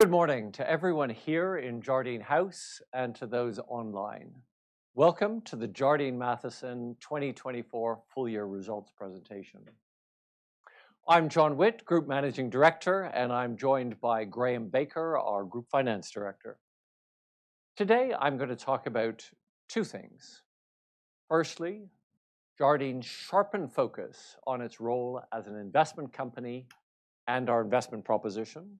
Good morning to everyone here in Jardine House and to those online. Welcome to the Jardine Matheson 2024 full year results presentation. I'm John Witt, Group Managing Director, and I'm joined by Graham Baker, our Group Finance Director. Today, I'm going to talk about two things. Firstly, Jardine's sharpened focus on its role as an investment company and our investment proposition.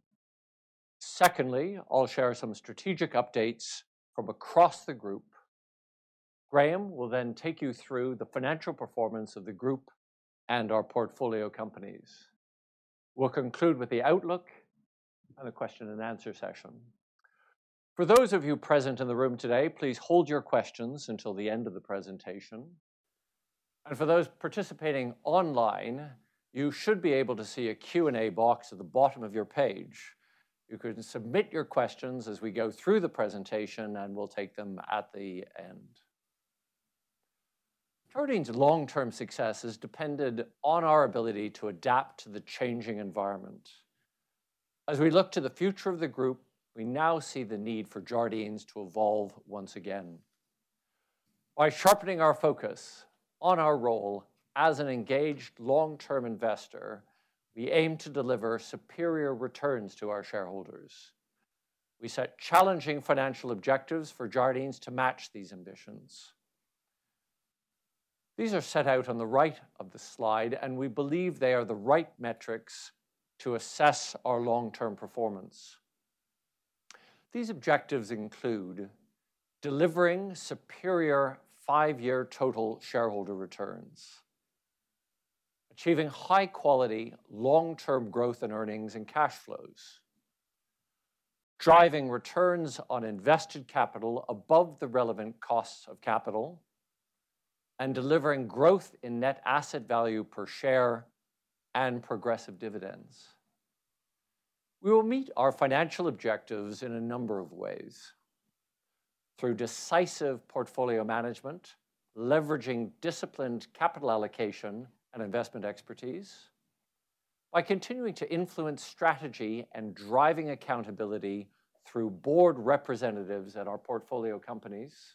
Secondly, I'll share some strategic updates from across the group. Graham will then take you through the financial performance of the group and our portfolio companies. We'll conclude with the outlook and a question-and-answer session. For those of you present in the room today, please hold your questions until the end of the presentation. For those participating online, you should be able to see a Q&A box at the bottom of your page. You can submit your questions as we go through the presentation, and we'll take them at the end. Jardine's long-term success has depended on our ability to adapt to the changing environment. As we look to the future of the group, we now see the need for Jardine's to evolve once again. By sharpening our focus on our role as an engaged long-term investor, we aim to deliver superior returns to our shareholders. We set challenging financial objectives for Jardine's to match these ambitions. These are set out on the right of the slide, and we believe they are the right metrics to assess our long-term performance. These objectives include delivering superior five-year total shareholder returns, achieving high-quality long-term growth in earnings and cash flows, driving returns on invested capital above the relevant costs of capital, and delivering growth in net asset value per share and progressive dividends. We will meet our financial objectives in a number of ways: through decisive portfolio management, leveraging disciplined capital allocation and investment expertise, by continuing to influence strategy and driving accountability through board representatives at our portfolio companies,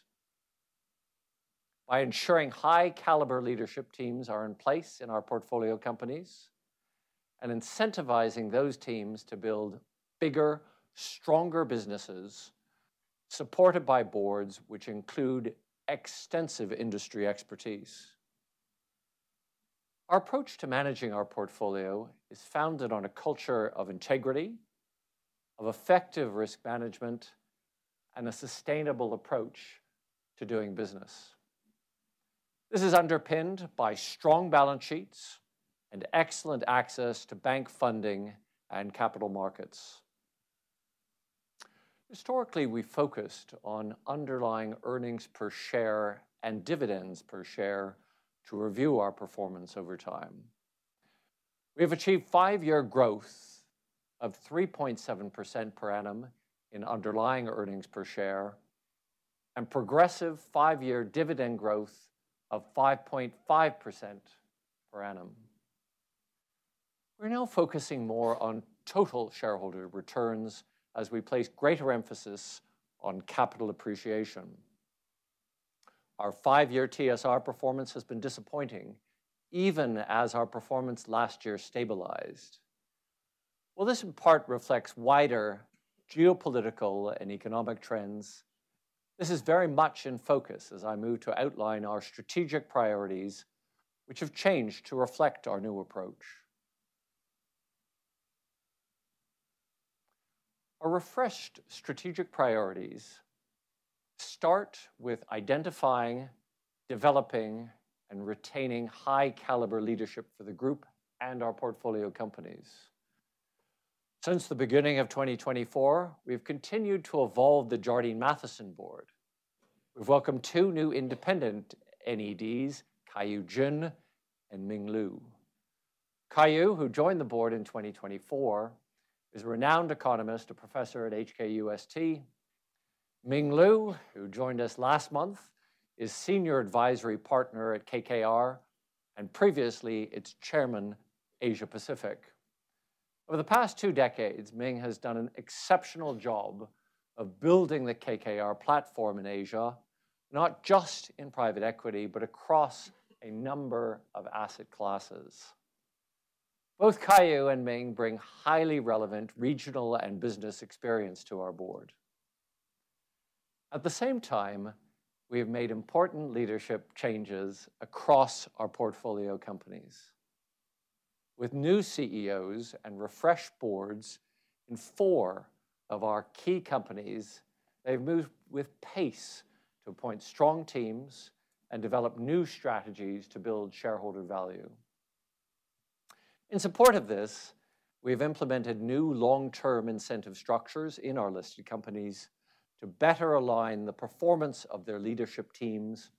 by ensuring high-caliber leadership teams are in place in our portfolio companies, and incentivizing those teams to build bigger, stronger businesses supported by boards which include extensive industry expertise. Our approach to managing our portfolio is founded on a culture of integrity, of effective risk management, and a sustainable approach to doing business. This is underpinned by strong balance sheets and excellent access to bank funding and capital markets. Historically, we focused on underlying earnings per share and dividends per share to review our performance over time. We have achieved five-year growth of 3.7% per annum in underlying earnings per share and progressive five-year dividend growth of 5.5% per annum. We're now focusing more on total shareholder returns as we place greater emphasis on capital appreciation. Our five-year TSR performance has been disappointing, even as our performance last year stabilized. While this in part reflects wider geopolitical and economic trends, this is very much in focus as I move to outline our strategic priorities, which have changed to reflect our new approach. Our refreshed strategic priorities start with identifying, developing, and retaining high-caliber leadership for the group and our portfolio companies. Since the beginning of 2024, we've continued to evolve the Jardine Matheson board. We've welcomed two new independent NEDs, Keyu Jin and Ming Lu. Keyu, who joined the board in 2024, is a renowned economist and professor at HKUST. Ming Lu, who joined us last month, is Senior Advisory Partner at KKR and previously its Chairman Asia Pacific. Over the past two decades, Ming has done an exceptional job of building the KKR platform in Asia, not just in private equity, but across a number of asset classes. Both Kayu and Ming bring highly relevant regional and business experience to our board. At the same time, we have made important leadership changes across our portfolio companies. With new CEOs and refreshed boards in four of our key companies, they've moved with pace to appoint strong teams and develop new strategies to build shareholder value. In support of this, we have implemented new long-term incentive structures in our listed companies to better align the performance of their leadership teams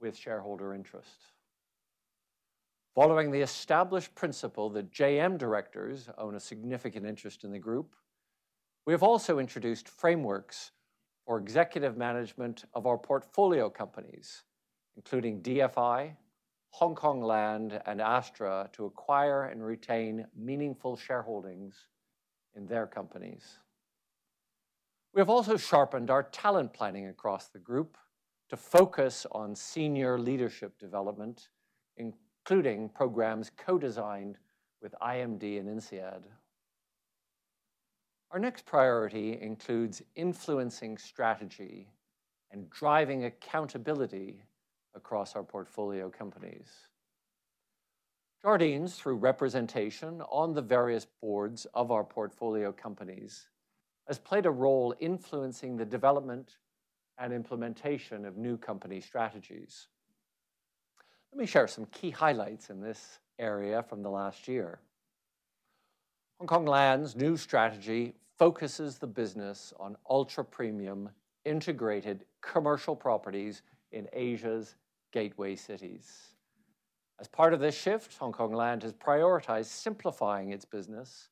with shareholder interests. Following the established principle that JM directors own a significant interest in the group, we have also introduced frameworks for executive management of our portfolio companies, including DFI, Hong Kong Land, and Astra to acquire and retain meaningful shareholdings in their companies. We have also sharpened our talent planning across the group to focus on senior leadership development, including programs co-designed with IMD and INSEAD. Our next priority includes influencing strategy and driving accountability across our portfolio companies. Jardine Matheson, through representation on the various boards of our portfolio companies, has played a role influencing the development and implementation of new company strategies. Let me share some key highlights in this area from the last year. Hong Kong Land's new strategy focuses the business on ultra-premium integrated commercial properties in Asia's gateway cities. As part of this shift, Hong Kong Land has prioritized simplifying its business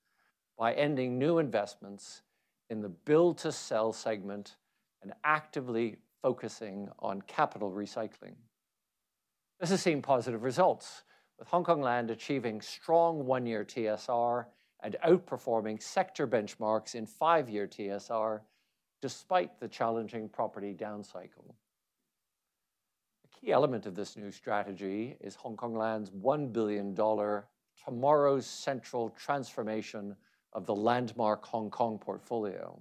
by ending new investments in the build-to-sell segment and actively focusing on capital recycling. This has seen positive results, with Hong Kong Land achieving strong one-year TSR and outperforming sector benchmarks in five-year TSR despite the challenging property downcycle. A key element of this new strategy is Hong Kong Land's $1 billion Tomorrow Central transformation of the landmark Hong Kong portfolio.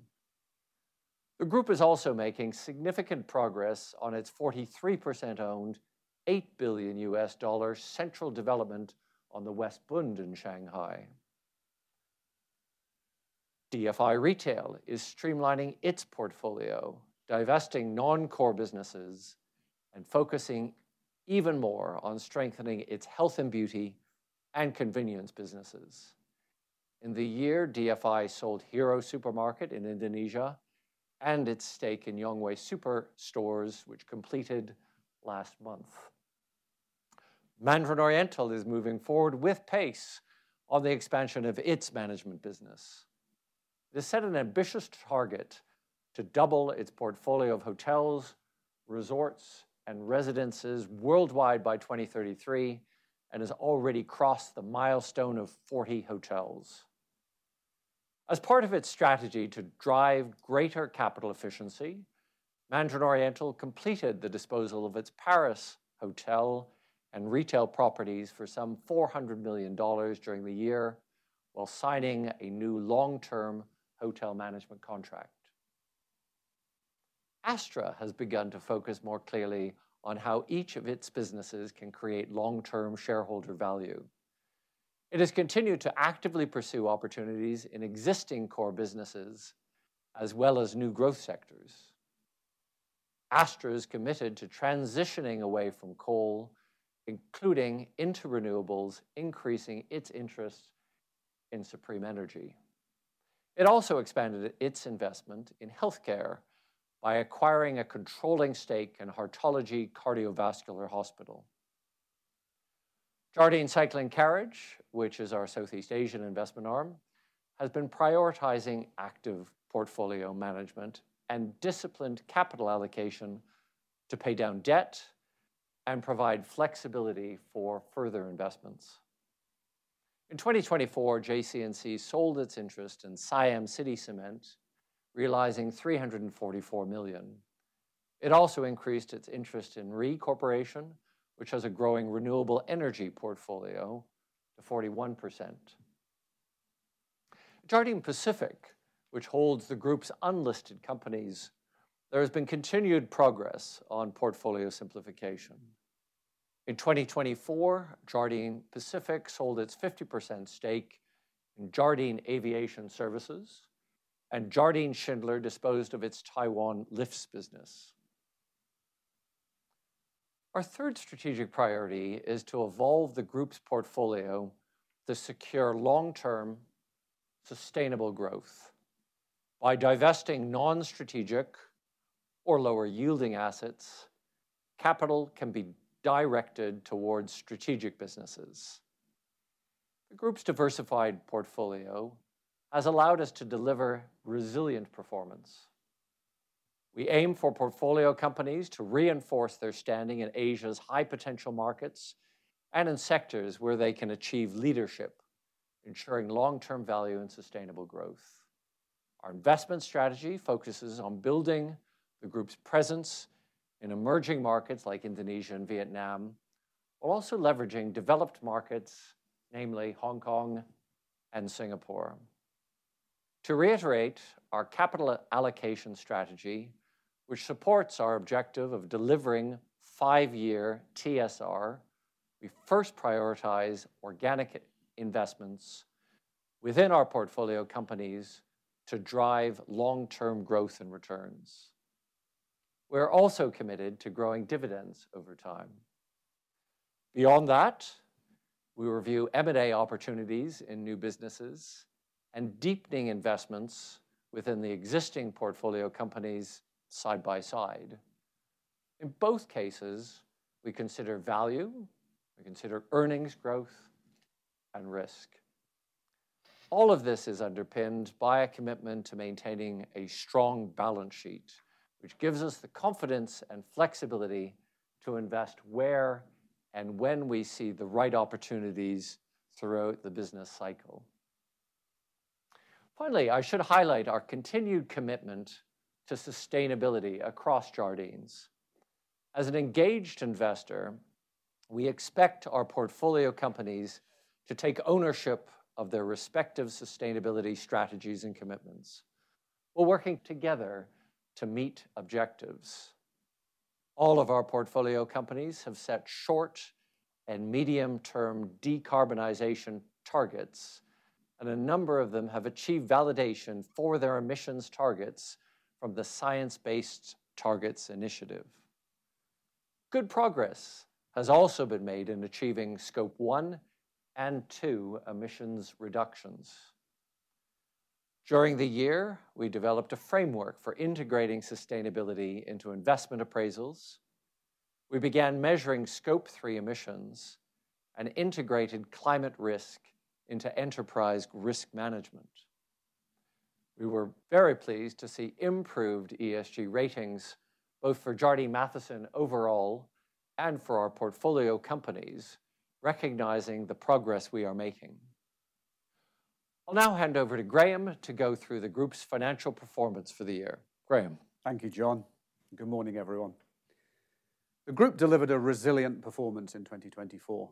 The group is also making significant progress on its 43% owned $8 billion central development on the West Bund in Shanghai. DFI Retail is streamlining its portfolio, divesting non-core businesses, and focusing even more on strengthening its health and beauty and convenience businesses. In the year, DFI sold Hero Supermarket in Indonesia and its stake in Yongwei Super Stores, which completed last month. Mandarin Oriental is moving forward with pace on the expansion of its management business. It has set an ambitious target to double its portfolio of hotels, resorts, and residences worldwide by 2033 and has already crossed the milestone of 40 hotels. As part of its strategy to drive greater capital efficiency, Mandarin Oriental completed the disposal of its Paris hotel and retail properties for $400 million during the year while signing a new long-term hotel management contract. Astra has begun to focus more clearly on how each of its businesses can create long-term shareholder value. It has continued to actively pursue opportunities in existing core businesses as well as new growth sectors. Astra is committed to transitioning away from coal, including into renewables, increasing its interest in Supreme Energy. It also expanded its investment in healthcare by acquiring a controlling stake in Hartology Cardiovascular Hospital. Jardine Cycle & Carriage, which is our Southeast Asian investment arm, has been prioritizing active portfolio management and disciplined capital allocation to pay down debt and provide flexibility for further investments. In 2024, JC&C sold its interest in Siam City Cement, realizing $344 million. It also increased its interest in RE Corporation, which has a growing renewable energy portfolio, to 41%. At Jardine Pacific, which holds the group's unlisted companies, there has been continued progress on portfolio simplification. In 2024, Jardine Pacific sold its 50% stake in Jardine Aviation Services, and Jardine Schindler disposed of its Taiwan Lifts business. Our third strategic priority is to evolve the group's portfolio to secure long-term sustainable growth. By divesting non-strategic or lower-yielding assets, capital can be directed towards strategic businesses. The group's diversified portfolio has allowed us to deliver resilient performance. We aim for portfolio companies to reinforce their standing in Asia's high-potential markets and in sectors where they can achieve leadership, ensuring long-term value and sustainable growth. Our investment strategy focuses on building the group's presence in emerging markets like Indonesia and Vietnam, while also leveraging developed markets, namely Hong Kong and Singapore. To reiterate our capital allocation strategy, which supports our objective of delivering five-year TSR, we first prioritize organic investments within our portfolio companies to drive long-term growth and returns. We are also committed to growing dividends over time. Beyond that, we review M&A opportunities in new businesses and deepening investments within the existing portfolio companies side by side. In both cases, we consider value, we consider earnings growth, and risk. All of this is underpinned by a commitment to maintaining a strong balance sheet, which gives us the confidence and flexibility to invest where and when we see the right opportunities throughout the business cycle. Finally, I should highlight our continued commitment to sustainability across Jardine Matheson. As an engaged investor, we expect our portfolio companies to take ownership of their respective sustainability strategies and commitments. We're working together to meet objectives. All of our portfolio companies have set short and medium-term decarbonization targets, and a number of them have achieved validation for their emissions targets from the Science-Based Targets Initiative. Good progress has also been made in achieving Scope 1 and 2 emissions reductions. During the year, we developed a framework for integrating sustainability into investment appraisals. We began measuring Scope 3 emissions and integrated climate risk into enterprise risk management. We were very pleased to see improved ESG ratings, both for Jardine Matheson overall and for our portfolio companies, recognizing the progress we are making. I'll now hand over to Graham to go through the group's financial performance for the year. Graham. Thank you, John. Good morning, everyone. The group delivered a resilient performance in 2024.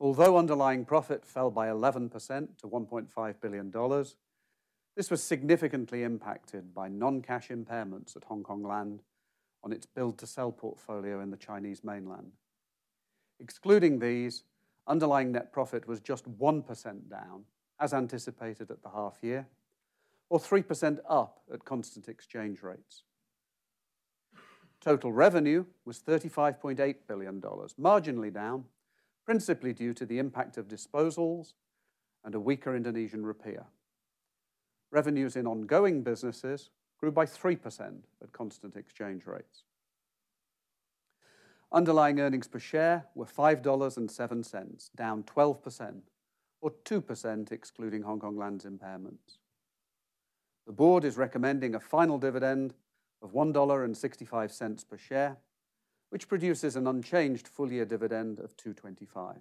Although underlying profit fell by 11% to $1.5 billion, this was significantly impacted by non-cash impairments at Hong Kong Land on its build-to-sell portfolio in the Chinese mainland. Excluding these, underlying net profit was just 1% down, as anticipated at the half year, or 3% up at constant exchange rates. Total revenue was $35.8 billion, marginally down, principally due to the impact of disposals and a weaker Indonesian rupiah. Revenues in ongoing businesses grew by 3% at constant exchange rates. Underlying earnings per share were $5.07, down 12%, or 2% excluding Hong Kong Land's impairments. The board is recommending a final dividend of $1.65 per share, which produces an unchanged full-year dividend of $2.25.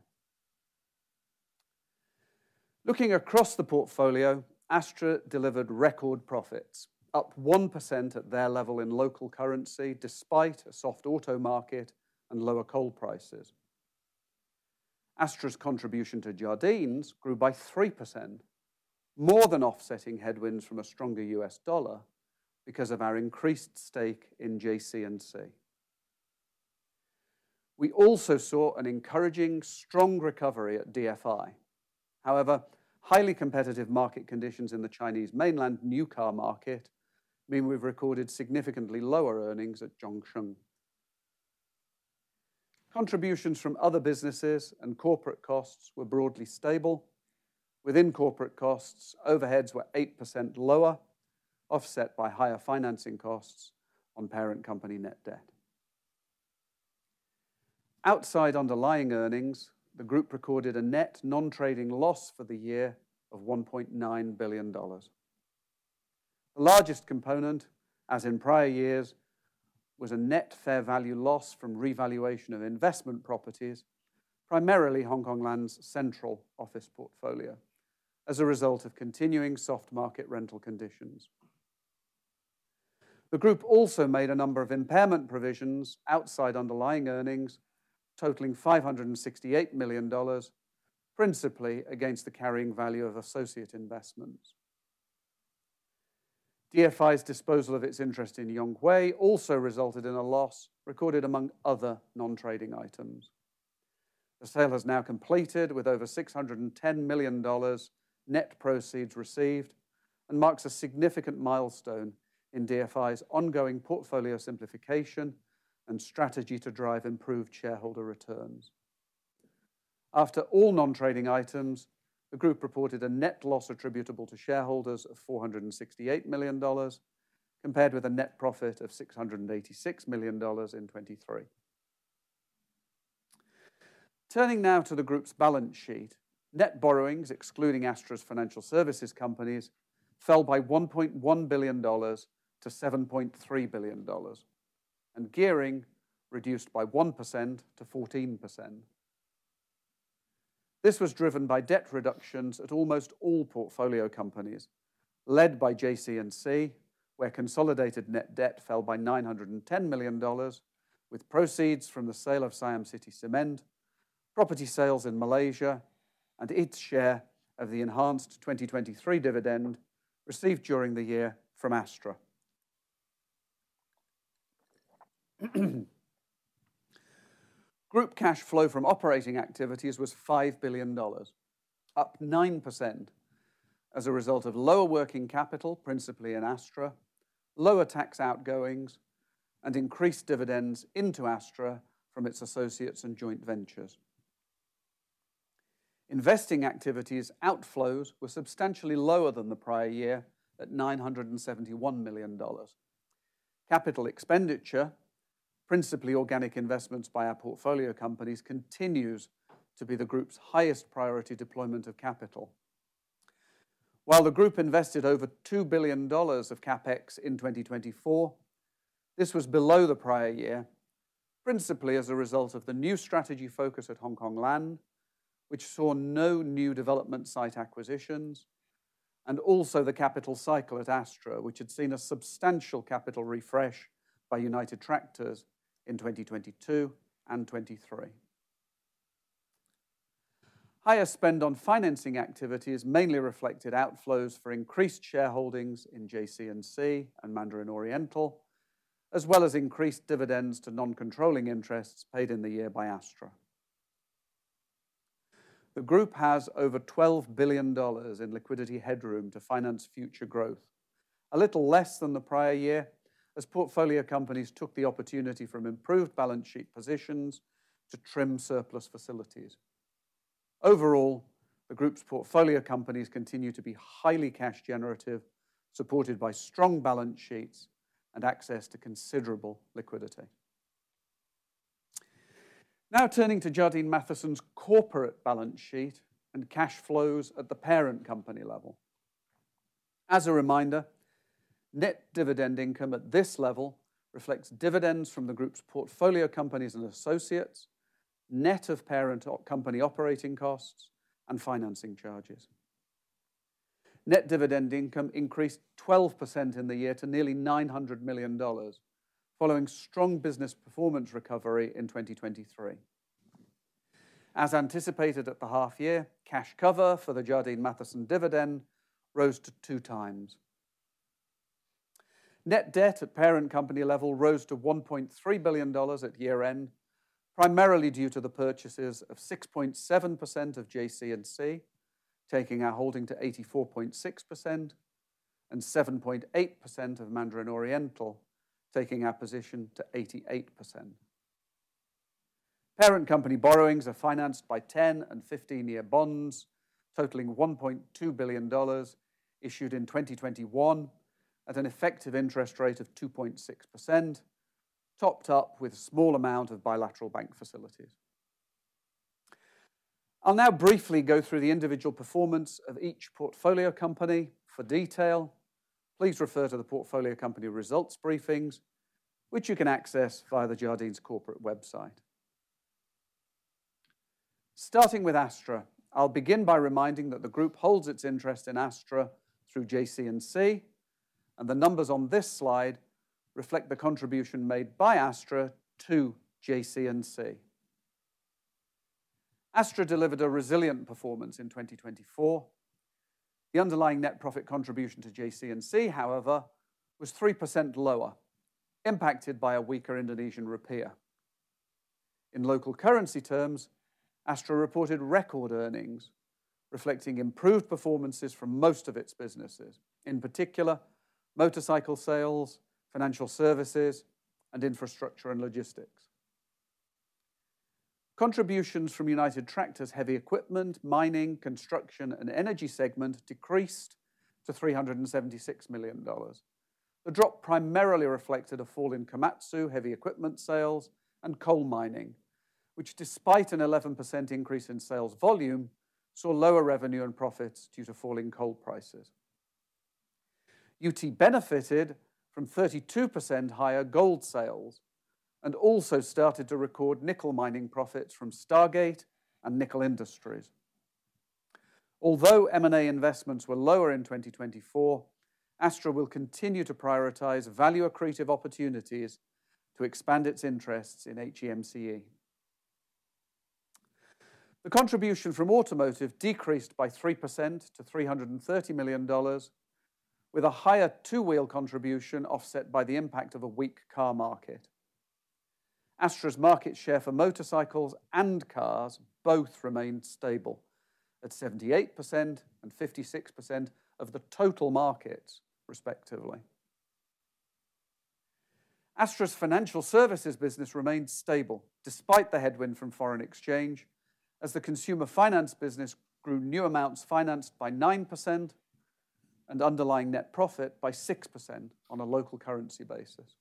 Looking across the portfolio, Astra delivered record profits, up 1% at their level in local currency despite a soft auto market and lower coal prices. Astra's contribution to Jardine's grew by 3%, more than offsetting headwinds from a stronger US dollar because of our increased stake in JC&C. We also saw an encouraging strong recovery at DFI. However, highly competitive market conditions in the Chinese mainland new car market mean we've recorded significantly lower earnings at Zhongsheng. Contributions from other businesses and corporate costs were broadly stable. Within corporate costs, overheads were 8% lower, offset by higher financing costs on parent company net debt. Outside underlying earnings, the group recorded a net non-trading loss for the year of $1.9 billion. The largest component, as in prior years, was a net fair value loss from revaluation of investment properties, primarily Hong Kong Land's central office portfolio, as a result of continuing soft market rental conditions. The group also made a number of impairment provisions outside underlying earnings, totaling $568 million, principally against the carrying value of associate investments. DFI's disposal of its interest in Yongwei also resulted in a loss recorded among other non-trading items. The sale has now completed with over $610 million net proceeds received and marks a significant milestone in DFI's ongoing portfolio simplification and strategy to drive improved shareholder returns. After all non-trading items, the group reported a net loss attributable to shareholders of $468 million, compared with a net profit of $686 million in 2023. Turning now to the group's balance sheet, net borrowings, excluding Astra's financial services companies, fell by $1.1 billion to $7.3 billion, and gearing reduced by 1% to 14%. This was driven by debt reductions at almost all portfolio companies led by JC&C, where consolidated net debt fell by $910 million, with proceeds from the sale of Siam City Cement, property sales in Malaysia, and its share of the enhanced 2023 dividend received during the year from Astra. Group cash flow from operating activities was $5 billion, up 9% as a result of lower working capital, principally in Astra, lower tax outgoings, and increased dividends into Astra from its associates and joint ventures. Investing activities outflows were substantially lower than the prior year at $971 million. Capital expenditure, principally organic investments by our portfolio companies, continues to be the group's highest priority deployment of capital. While the group invested over $2 billion of CapEx in 2024, this was below the prior year, principally as a result of the new strategy focus at Hong Kong Land, which saw no new development site acquisitions, and also the capital cycle at Astra, which had seen a substantial capital refresh by United Tractors in 2022 and 2023. Higher spend on financing activities mainly reflected outflows for increased shareholdings in JC&C and Mandarin Oriental, as well as increased dividends to non-controlling interests paid in the year by Astra. The group has over $12 billion in liquidity headroom to finance future growth, a little less than the prior year, as portfolio companies took the opportunity from improved balance sheet positions to trim surplus facilities. Overall, the group's portfolio companies continue to be highly cash generative, supported by strong balance sheets and access to considerable liquidity. Now turning to Jardine Matheson's corporate balance sheet and cash flows at the parent company level. As a reminder, net dividend income at this level reflects dividends from the group's portfolio companies and associates, net of parent company operating costs and financing charges. Net dividend income increased 12% in the year to nearly $900 million, following strong business performance recovery in 2023. As anticipated at the half year, cash cover for the Jardine Matheson dividend rose to two times. Net debt at parent company level rose to $1.3 billion at year-end, primarily due to the purchases of 6.7% of JC&C, taking our holding to 84.6%, and 7.8% of Mandarin Oriental, taking our position to 88%. Parent company borrowings are financed by 10 and 15-year bonds totaling $1.2 billion, issued in 2021 at an effective interest rate of 2.6%, topped up with a small amount of bilateral bank facilities. I'll now briefly go through the individual performance of each portfolio company for detail. Please refer to the portfolio company results briefings, which you can access via the Jardine's corporate website. Starting with Astra, I'll begin by reminding that the group holds its interest in Astra through JC&C, and the numbers on this slide reflect the contribution made by Astra to JC&C. Astra delivered a resilient performance in 2024. The underlying net profit contribution to JC&C, however, was 3% lower, impacted by a weaker Indonesian rupiah. In local currency terms, Astra reported record earnings, reflecting improved performances from most of its businesses, in particular motorcycle sales, financial services, and infrastructure and logistics. Contributions from United Tractors' heavy equipment, mining, construction, and energy segment decreased to $376 million. The drop primarily reflected a fall in Komatsu heavy equipment sales and coal mining, which, despite an 11% increase in sales volume, saw lower revenue and profits due to falling coal prices. UT benefited from 32% higher gold sales and also started to record nickel mining profits from Stargate and Nickel Industries. Although M&A investments were lower in 2024, Astra will continue to prioritize value-accretive opportunities to expand its interests in HEMCE. The contribution from automotive decreased by 3% to $330 million, with a higher two-wheel contribution offset by the impact of a weak car market. Astra's market share for motorcycles and cars both remained stable at 78% and 56% of the total markets, respectively. Astra's financial services business remained stable despite the headwind from foreign exchange, as the consumer finance business grew new amounts financed by 9% and underlying net profit by 6% on a local currency basis.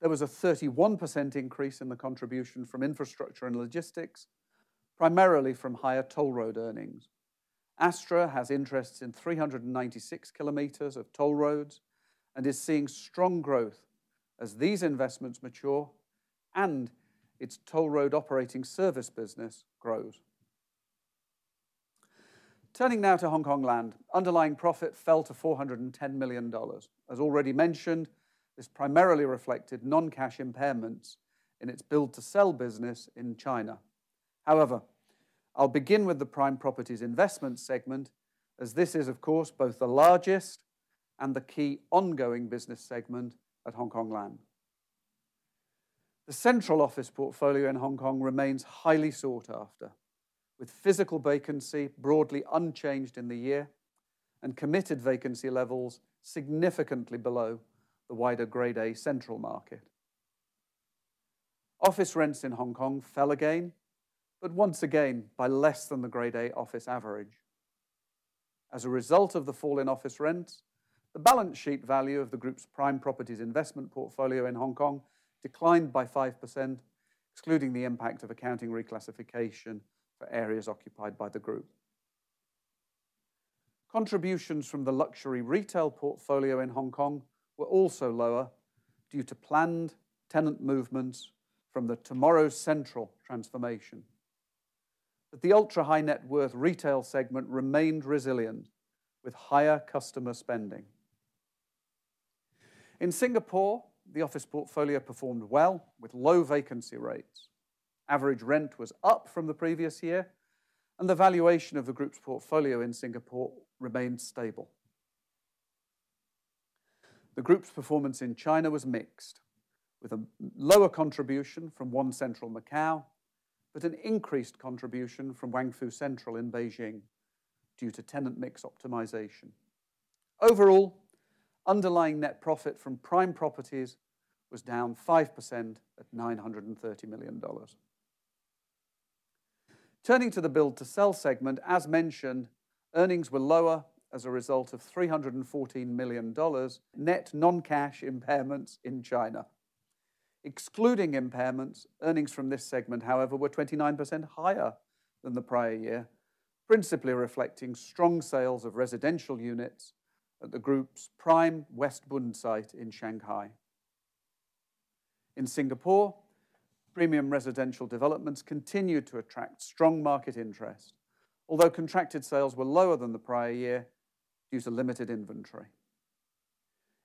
There was a 31% increase in the contribution from infrastructure and logistics, primarily from higher toll road earnings. Astra has interests in 396 km of toll roads and is seeing strong growth as these investments mature and its toll road operating service business grows. Turning now to Hong Kong Land, underlying profit fell to $410 million. As already mentioned, this primarily reflected non-cash impairments in its build-to-sell business in China. However, I'll begin with the prime properties investment segment, as this is, of course, both the largest and the key ongoing business segment at Hong Kong Land. The central office portfolio in Hong Kong remains highly sought after, with physical vacancy broadly unchanged in the year and committed vacancy levels significantly below the wider Grade A central market. Office rents in Hong Kong fell again, but once again by less than the Grade A office average. As a result of the fall in office rents, the balance sheet value of the group's prime properties investment portfolio in Hong Kong declined by 5%, excluding the impact of accounting reclassification for areas occupied by the group. Contributions from the luxury retail portfolio in Hong Kong were also lower due to planned tenant movements from the Tomorrow Central transformation. The ultra-high net worth retail segment remained resilient, with higher customer spending. In Singapore, the office portfolio performed well with low vacancy rates. Average rent was up from the previous year, and the valuation of the group's portfolio in Singapore remained stable. The group's performance in China was mixed, with a lower contribution from One Central Macau, but an increased contribution from Wangfu Central in Beijing due to tenant mix optimization. Overall, underlying net profit from prime properties was down 5% at $930 million. Turning to the build-to-sell segment, as mentioned, earnings were lower as a result of $314 million net non-cash impairments in China. Excluding impairments, earnings from this segment, however, were 29% higher than the prior year, principally reflecting strong sales of residential units at the group's prime West Bund site in Shanghai. In Singapore, premium residential developments continued to attract strong market interest, although contracted sales were lower than the prior year due to limited inventory.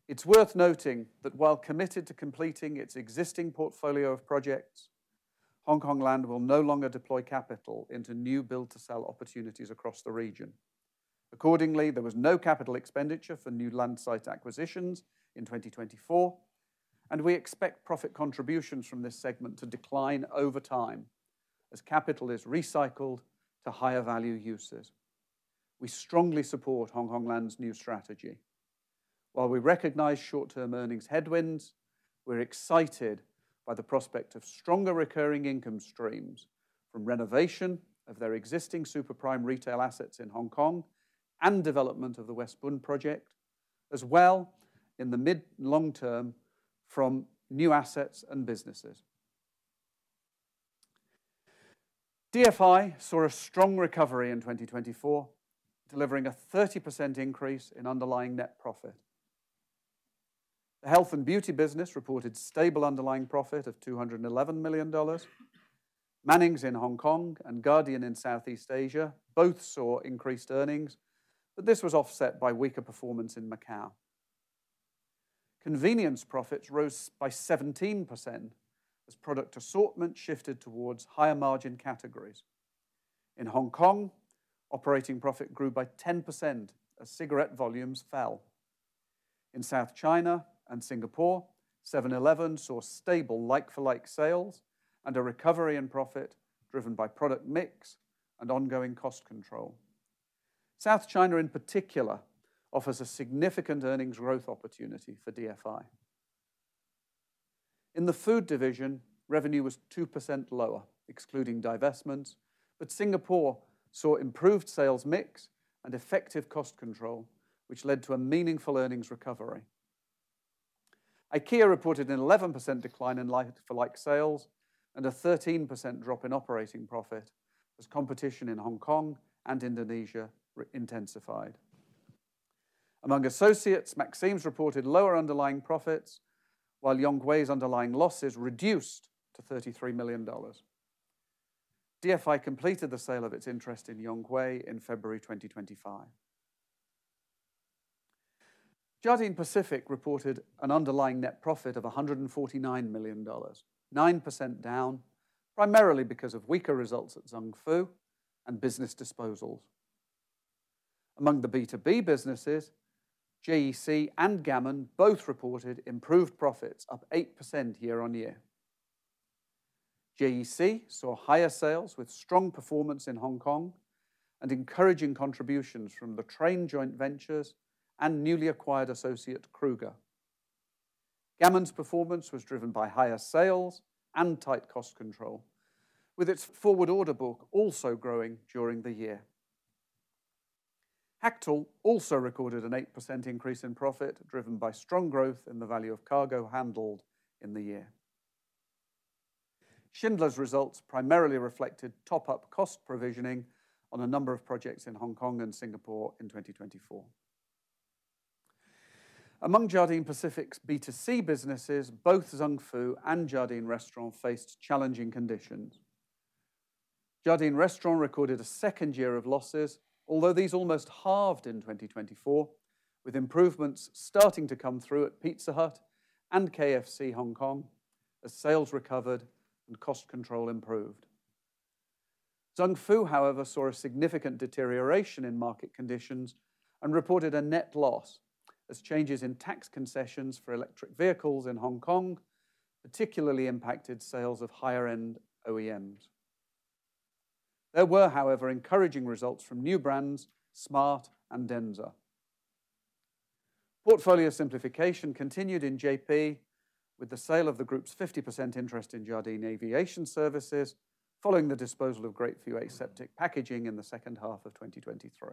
It's worth noting that while committed to completing its existing portfolio of projects, Hong Kong Land will no longer deploy capital into new build-to-sell opportunities across the region. Accordingly, there was no capital expenditure for new land site acquisitions in 2024, and we expect profit contributions from this segment to decline over time as capital is recycled to higher value uses. We strongly support Hong Kong Land's new strategy. While we recognize short-term earnings headwinds, we're excited by the prospect of stronger recurring income streams from renovation of their existing super prime retail assets in Hong Kong and development of the West Bund project, as well in the mid-long term from new assets and businesses. DFI saw a strong recovery in 2024, delivering a 30% increase in underlying net profit. The health and beauty business reported stable underlying profit of $211 million. Mannings in Hong Kong and Guardian in Southeast Asia both saw increased earnings, but this was offset by weaker performance in Macau. Convenience profits rose by 17% as product assortment shifted towards higher margin categories. In Hong Kong, operating profit grew by 10% as cigarette volumes fell. In South China and Singapore, 7-Eleven saw stable like-for-like sales and a recovery in profit driven by product mix and ongoing cost control. South China in particular offers a significant earnings growth opportunity for DFI. In the food division, revenue was 2% lower, excluding divestments, but Singapore saw improved sales mix and effective cost control, which led to a meaningful earnings recovery. IKEA reported an 11% decline in like-for-like sales and a 13% drop in operating profit as competition in Hong Kong and Indonesia intensified. Among associates, Maxime's reported lower underlying profits, while Yongwei's underlying losses reduced to $33 million. DFI completed the sale of its interest in Yongwei in February 2025. Jardine Pacific reported an underlying net profit of $149 million, 9% down, primarily because of weaker results at Zung Fu and business disposals. Among the B2B businesses, JEC and Gammon both reported improved profits, up 8% year-on-year. Corporation saw higher sales with strong performance in Hong Kong and encouraging contributions from the Train Joint Ventures and newly acquired associate Kruger. Gammon's performance was driven by higher sales and tight cost control, with its forward order book also growing during the year. Hactl also recorded an 8% increase in profit driven by strong growth in the value of cargo handled in the year. Jardine Schindler's results primarily reflected top-up cost provisioning on a number of projects in Hong Kong and Singapore in 2024. Among Jardine Pacific's B2C businesses, both Zung Fu and Jardine Restaurant Group faced challenging conditions. Jardine Restaurant Group recorded a second year of losses, although these almost halved in 2024, with improvements starting to come through at Pizza Hut and KFC Hong Kong as sales recovered and cost control improved. Zung Fu, however, saw a significant deterioration in market conditions and reported a net loss as changes in tax concessions for electric vehicles in Hong Kong particularly impacted sales of higher-end OEMs. There were, however, encouraging results from new brands, Smart and Denza. Portfolio simplification continued in JP with the sale of the group's 50% interest in Jardine Aviation Services following the disposal of Great Fuel Aseptic packaging in the second half of 2023.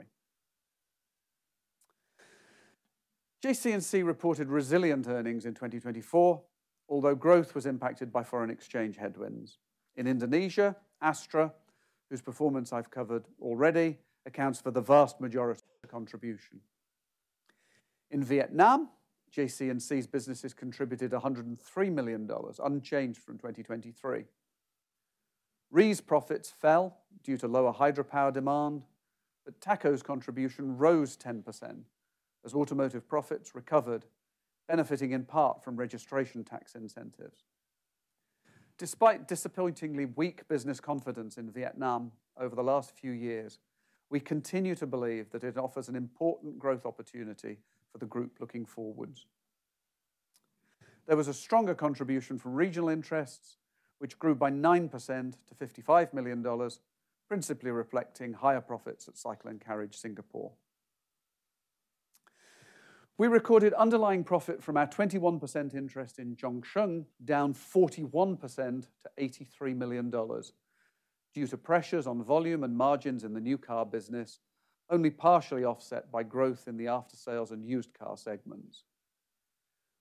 JC&C reported resilient earnings in 2024, although growth was impacted by foreign exchange headwinds. In Indonesia, Astra, whose performance I've covered already, accounts for the vast majority of contribution. In Vietnam, JC&C's businesses contributed $103 million, unchanged from 2023. RE's profits fell due to lower hydropower demand, but Taco's contribution rose 10% as automotive profits recovered, benefiting in part from registration tax incentives. Despite disappointingly weak business confidence in Vietnam over the last few years, we continue to believe that it offers an important growth opportunity for the group looking forwards. There was a stronger contribution from regional interests, which grew by 9% to $55 million, principally reflecting higher profits at Cyclone Carriage Singapore. We recorded underlying profit from our 21% interest in Zhongsheng, down 41% to $83 million due to pressures on volume and margins in the new car business, only partially offset by growth in the after-sales and used car segments.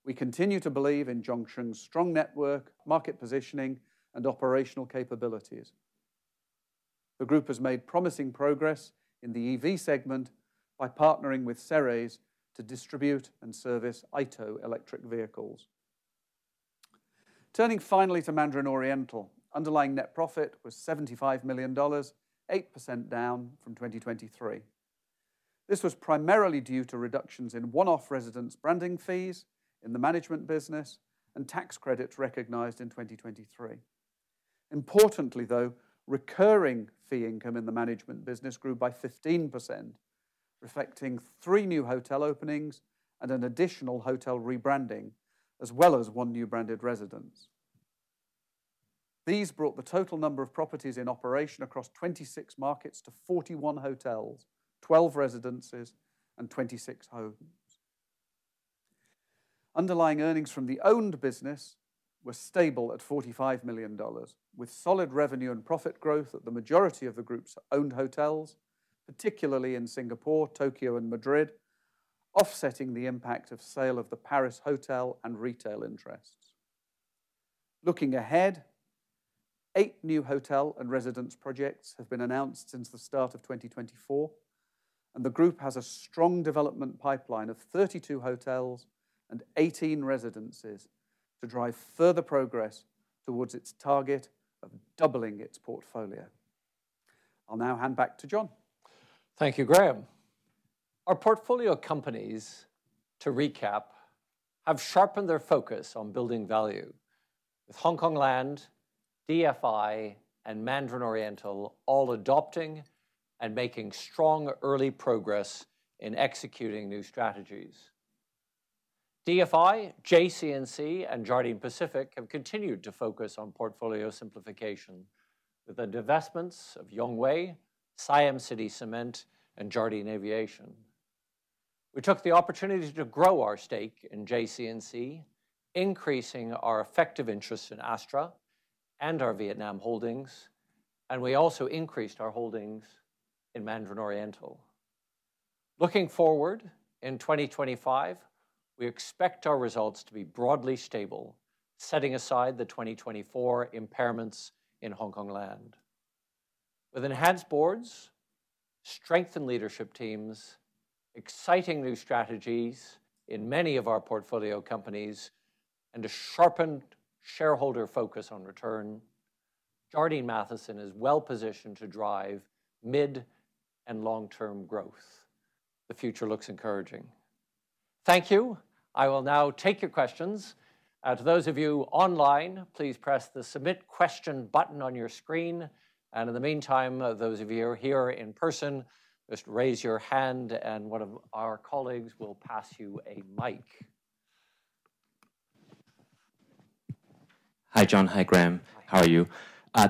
We continue to believe in Zhongsheng's strong network, market positioning, and operational capabilities. The group has made promising progress in the EV segment by partnering with Ceres to distribute and service Aito electric vehicles. Turning finally to Mandarin Oriental, underlying net profit was $75 million, 8% down from 2023. This was primarily due to reductions in one-off residence branding fees in the management business and tax credits recognized in 2023. Importantly, though, recurring fee income in the management business grew by 15%, reflecting three new hotel openings and an additional hotel rebranding, as well as one new branded residence. These brought the total number of properties in operation across 26 markets to 41 hotels, 12 residences, and 26 homes. Underlying earnings from the owned business were stable at $45 million, with solid revenue and profit growth at the majority of the group's owned hotels, particularly in Singapore, Tokyo, and Madrid, offsetting the impact of sale of the Paris hotel and retail interests. Looking ahead, eight new hotel and residence projects have been announced since the start of 2024, and the group has a strong development pipeline of 32 hotels and 18 residences to drive further progress towards its target of doubling its portfolio. I'll now hand back to John. Thank you, Graham. Our portfolio companies, to recap, have sharpened their focus on building value, with Hong Kong Land, DFI, and Mandarin Oriental all adopting and making strong early progress in executing new strategies. DFI, JC&C, and Jardine Pacific have continued to focus on portfolio simplification with the divestments of Yongwei, Siam City Cement, and Jardine Aviation. We took the opportunity to grow our stake in JC&C, increasing our effective interest in Astra and our Vietnam holdings, and we also increased our holdings in Mandarin Oriental. Looking forward in 2025, we expect our results to be broadly stable, setting aside the 2024 impairments in Hong Kong Land. With enhanced boards, strengthened leadership teams, exciting new strategies in many of our portfolio companies, and a sharpened shareholder focus on return, Jardine Matheson is well positioned to drive mid and long-term growth. The future looks encouraging. Thank you. I will now take your questions. To those of you online, please press the Submit Question button on your screen. In the meantime, those of you who are here in person, just raise your hand, and one of our colleagues will pass you a mic. Hi, John. Hi, Graham. How are you?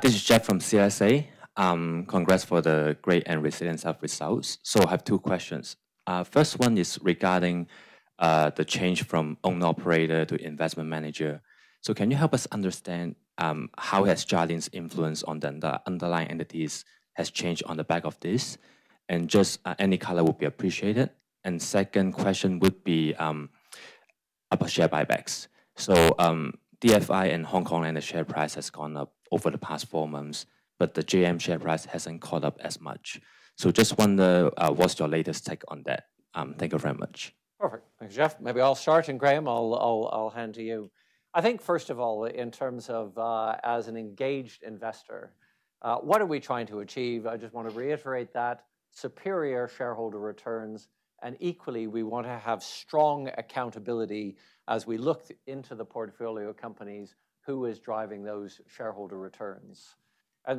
This is Jeff from CLSA. Congrats for the great and resilience of results. I have two questions. First one is regarding the change from owner-operator to investment manager. Can you help us understand how has Jardine's influence on the underlying entities changed on the back of this? Any color would be appreciated. Second question would be about share buybacks. DFI and Hong Kong Land's share price has gone up over the past four months, but the JM share price has not caught up as much. Just wonder what's your latest take on that? Thank you very much. Perfect. Thanks, Jeff. Maybe I'll start, and Graham, I'll hand to you. I think, first of all, in terms of as an engaged investor, what are we trying to achieve? I just want to reiterate that superior shareholder returns, and equally, we want to have strong accountability as we look into the portfolio companies who are driving those shareholder returns. We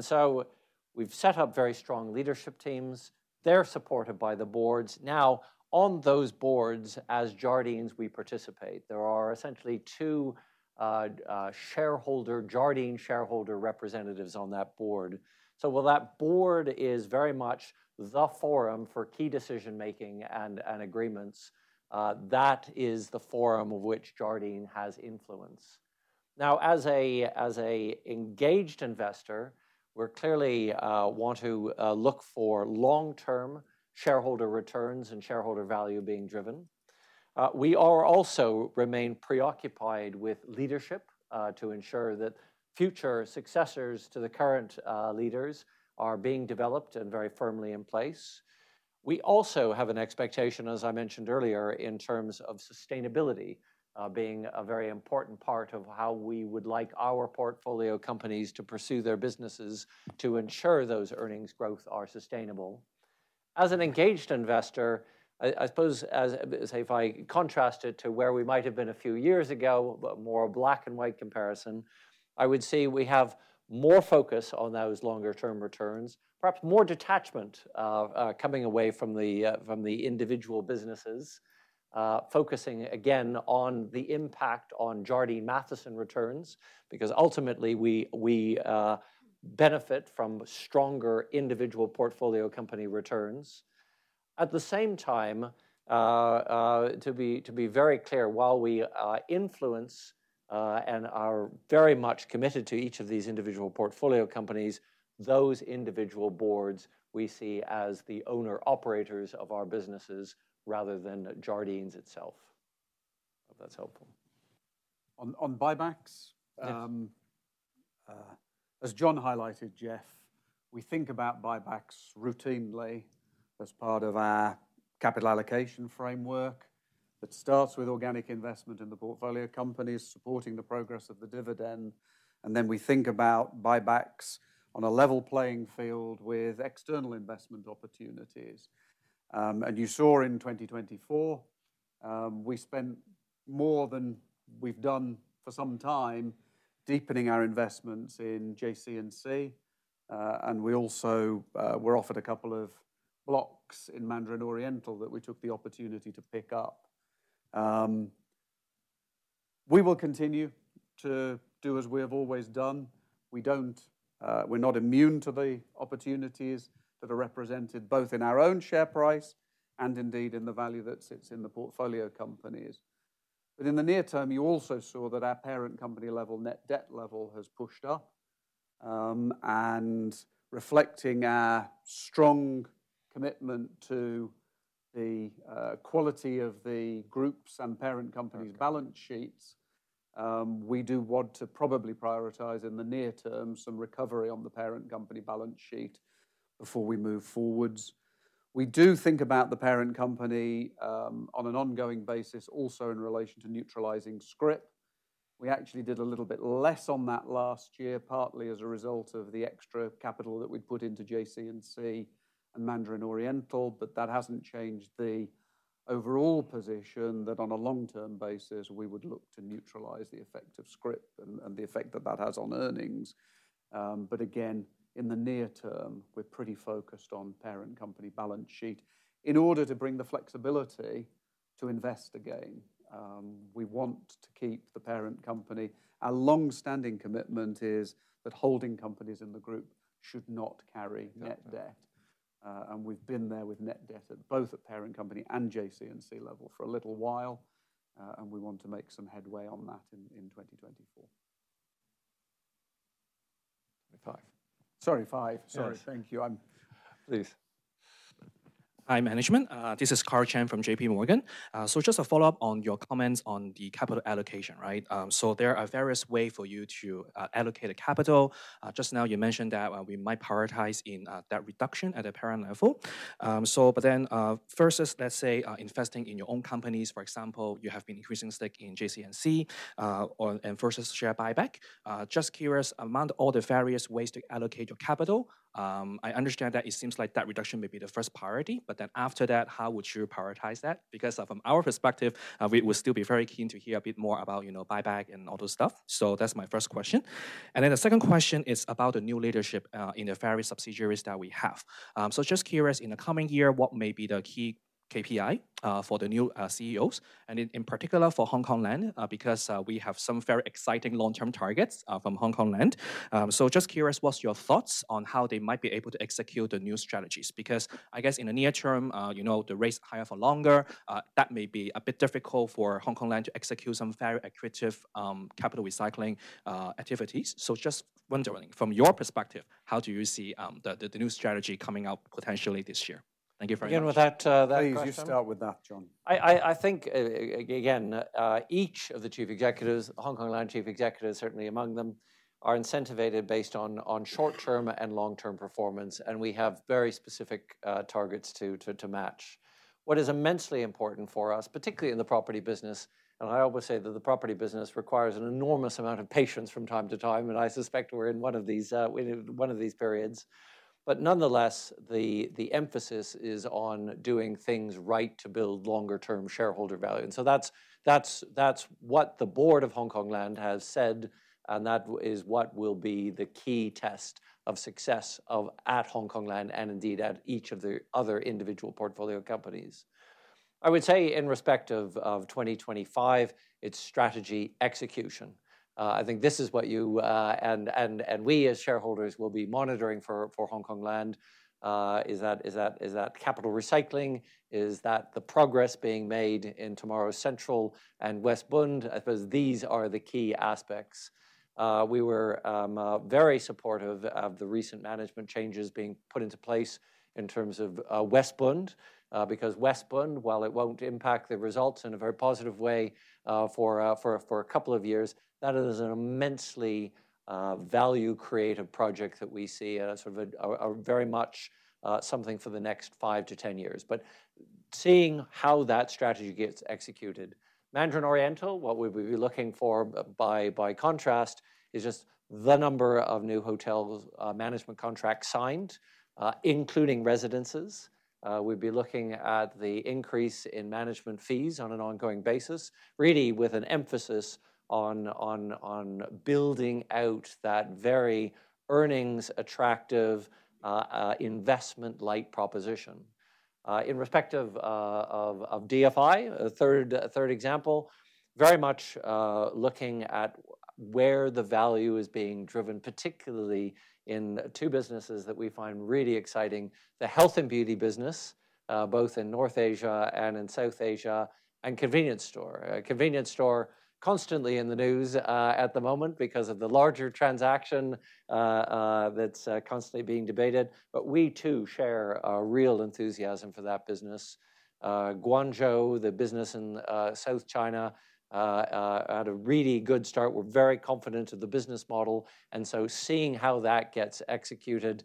have set up very strong leadership teams. They're supported by the boards. Now, on those boards, as Jardines, we participate. There are essentially two Jardine shareholder representatives on that board. While that board is very much the forum for key decision-making and agreements, that is the forum in which Jardine has influence. As an engaged investor, we clearly want to look for long-term shareholder returns and shareholder value being driven. We also remain preoccupied with leadership to ensure that future successors to the current leaders are being developed and very firmly in place. We also have an expectation, as I mentioned earlier, in terms of sustainability being a very important part of how we would like our portfolio companies to pursue their businesses to ensure those earnings growth are sustainable. As an engaged investor, I suppose, as if I contrasted to where we might have been a few years ago, but more black-and-white comparison, I would say we have more focus on those longer-term returns, perhaps more detachment coming away from the individual businesses, focusing again on the impact on Jardine Matheson returns, because ultimately, we benefit from stronger individual portfolio company returns. At the same time, to be very clear, while we influence and are very much committed to each of these individual portfolio companies, those individual boards we see as the owner-operators of our businesses rather than Jardines itself. I hope that's helpful. On buybacks, as John highlighted, Jeff, we think about buybacks routinely as part of our capital allocation framework that starts with organic investment in the portfolio companies supporting the progress of the dividend. We think about buybacks on a level playing field with external investment opportunities. You saw in 2024, we spent more than we've done for some time deepening our investments in JC&C. We also were offered a couple of blocks in Mandarin Oriental that we took the opportunity to pick up. We will continue to do as we have always done. We're not immune to the opportunities that are represented both in our own share price and indeed in the value that sits in the portfolio companies. In the near term, you also saw that our parent company level net debt level has pushed up. Reflecting our strong commitment to the quality of the group's and parent company's balance sheets, we do want to probably prioritize in the near term some recovery on the parent company balance sheet before we move forwards. We do think about the parent company on an ongoing basis, also in relation to neutralizing script. We actually did a little bit less on that last year, partly as a result of the extra capital that we put into JC&C and Mandarin Oriental, but that has not changed the overall position that on a long-term basis, we would look to neutralize the effect of script and the effect that that has on earnings. Again, in the near term, we are pretty focused on parent company balance sheet in order to bring the flexibility to invest again. We want to keep the parent company. Our long-standing commitment is that holding companies in the group should not carry net debt. We have been there with net debt at both at parent company and JC&C level for a little while, and we want to make some headway on that in 2024. Sorry, five. Sorry. Thank you. Please. Hi, management. This is Karl Chan from JP Morgan. Just a follow-up on your comments on the capital allocation, right? There are various ways for you to allocate capital. Just now you mentioned that we might prioritize in that reduction at a parent level. Then versus, let's say, investing in your own companies, for example, you have been increasing stake in JC&C and versus share buyback. Just curious, among all the various ways to allocate your capital, I understand that it seems like that reduction may be the first priority. After that, how would you prioritize that? Because from our perspective, we would still be very keen to hear a bit more about buyback and all those stuff. That is my first question. The second question is about the new leadership in the Ferry subsidiaries that we have. Just curious, in the coming year, what may be the key KPI for the new CEOs, and in particular for Hong Kong Land, because we have some very exciting long-term targets from Hong Kong Land. Just curious, what's your thoughts on how they might be able to execute the new strategies? I guess in the near term, the rates are higher for longer. That may be a bit difficult for Hong Kong Land to execute some very accretive capital recycling activities. Just wondering, from your perspective, how do you see the new strategy coming out potentially this year? Thank you very much. Again, with that, please you start with that, John. I think, again, each of the chief executives, Hong Kong Land chief executives, certainly among them, are incentivized based on short-term and long-term performance, and we have very specific targets to match. What is immensely important for us, particularly in the property business, and I always say that the property business requires an enormous amount of patience from time to time, I suspect we're in one of these periods. Nonetheless, the emphasis is on doing things right to build longer-term shareholder value. That is what the board of Hong Kong Land has said, and that is what will be the key test of success at Hong Kong Land and indeed at each of the other individual portfolio companies. I would say in respect of 2025, it's strategy execution. I think this is what you and we as shareholders will be monitoring for Hong Kong Land. Is that capital recycling? Is that the progress being made in tomorrow's Central and West Bund? I suppose these are the key aspects. We were very supportive of the recent management changes being put into place in terms of West Bund, because West Bund, while it won't impact the results in a very positive way for a couple of years, that is an immensely value-creative project that we see as sort of very much something for the next five to ten years. Seeing how that strategy gets executed, Mandarin Oriental, what we would be looking for, by contrast, is just the number of new hotel management contracts signed, including residences. We'd be looking at the increase in management fees on an ongoing basis, really with an emphasis on building out that very earnings-attractive investment-like proposition. In respect of DFI, a third example, very much looking at where the value is being driven, particularly in two businesses that we find really exciting, the health and beauty business, both in North Asia and in South Asia, and convenience store. Convenience store constantly in the news at the moment because of the larger transaction that's constantly being debated. We too share a real enthusiasm for that business. Guangzhou, the business in South China, had a really good start. We're very confident of the business model. Seeing how that gets executed,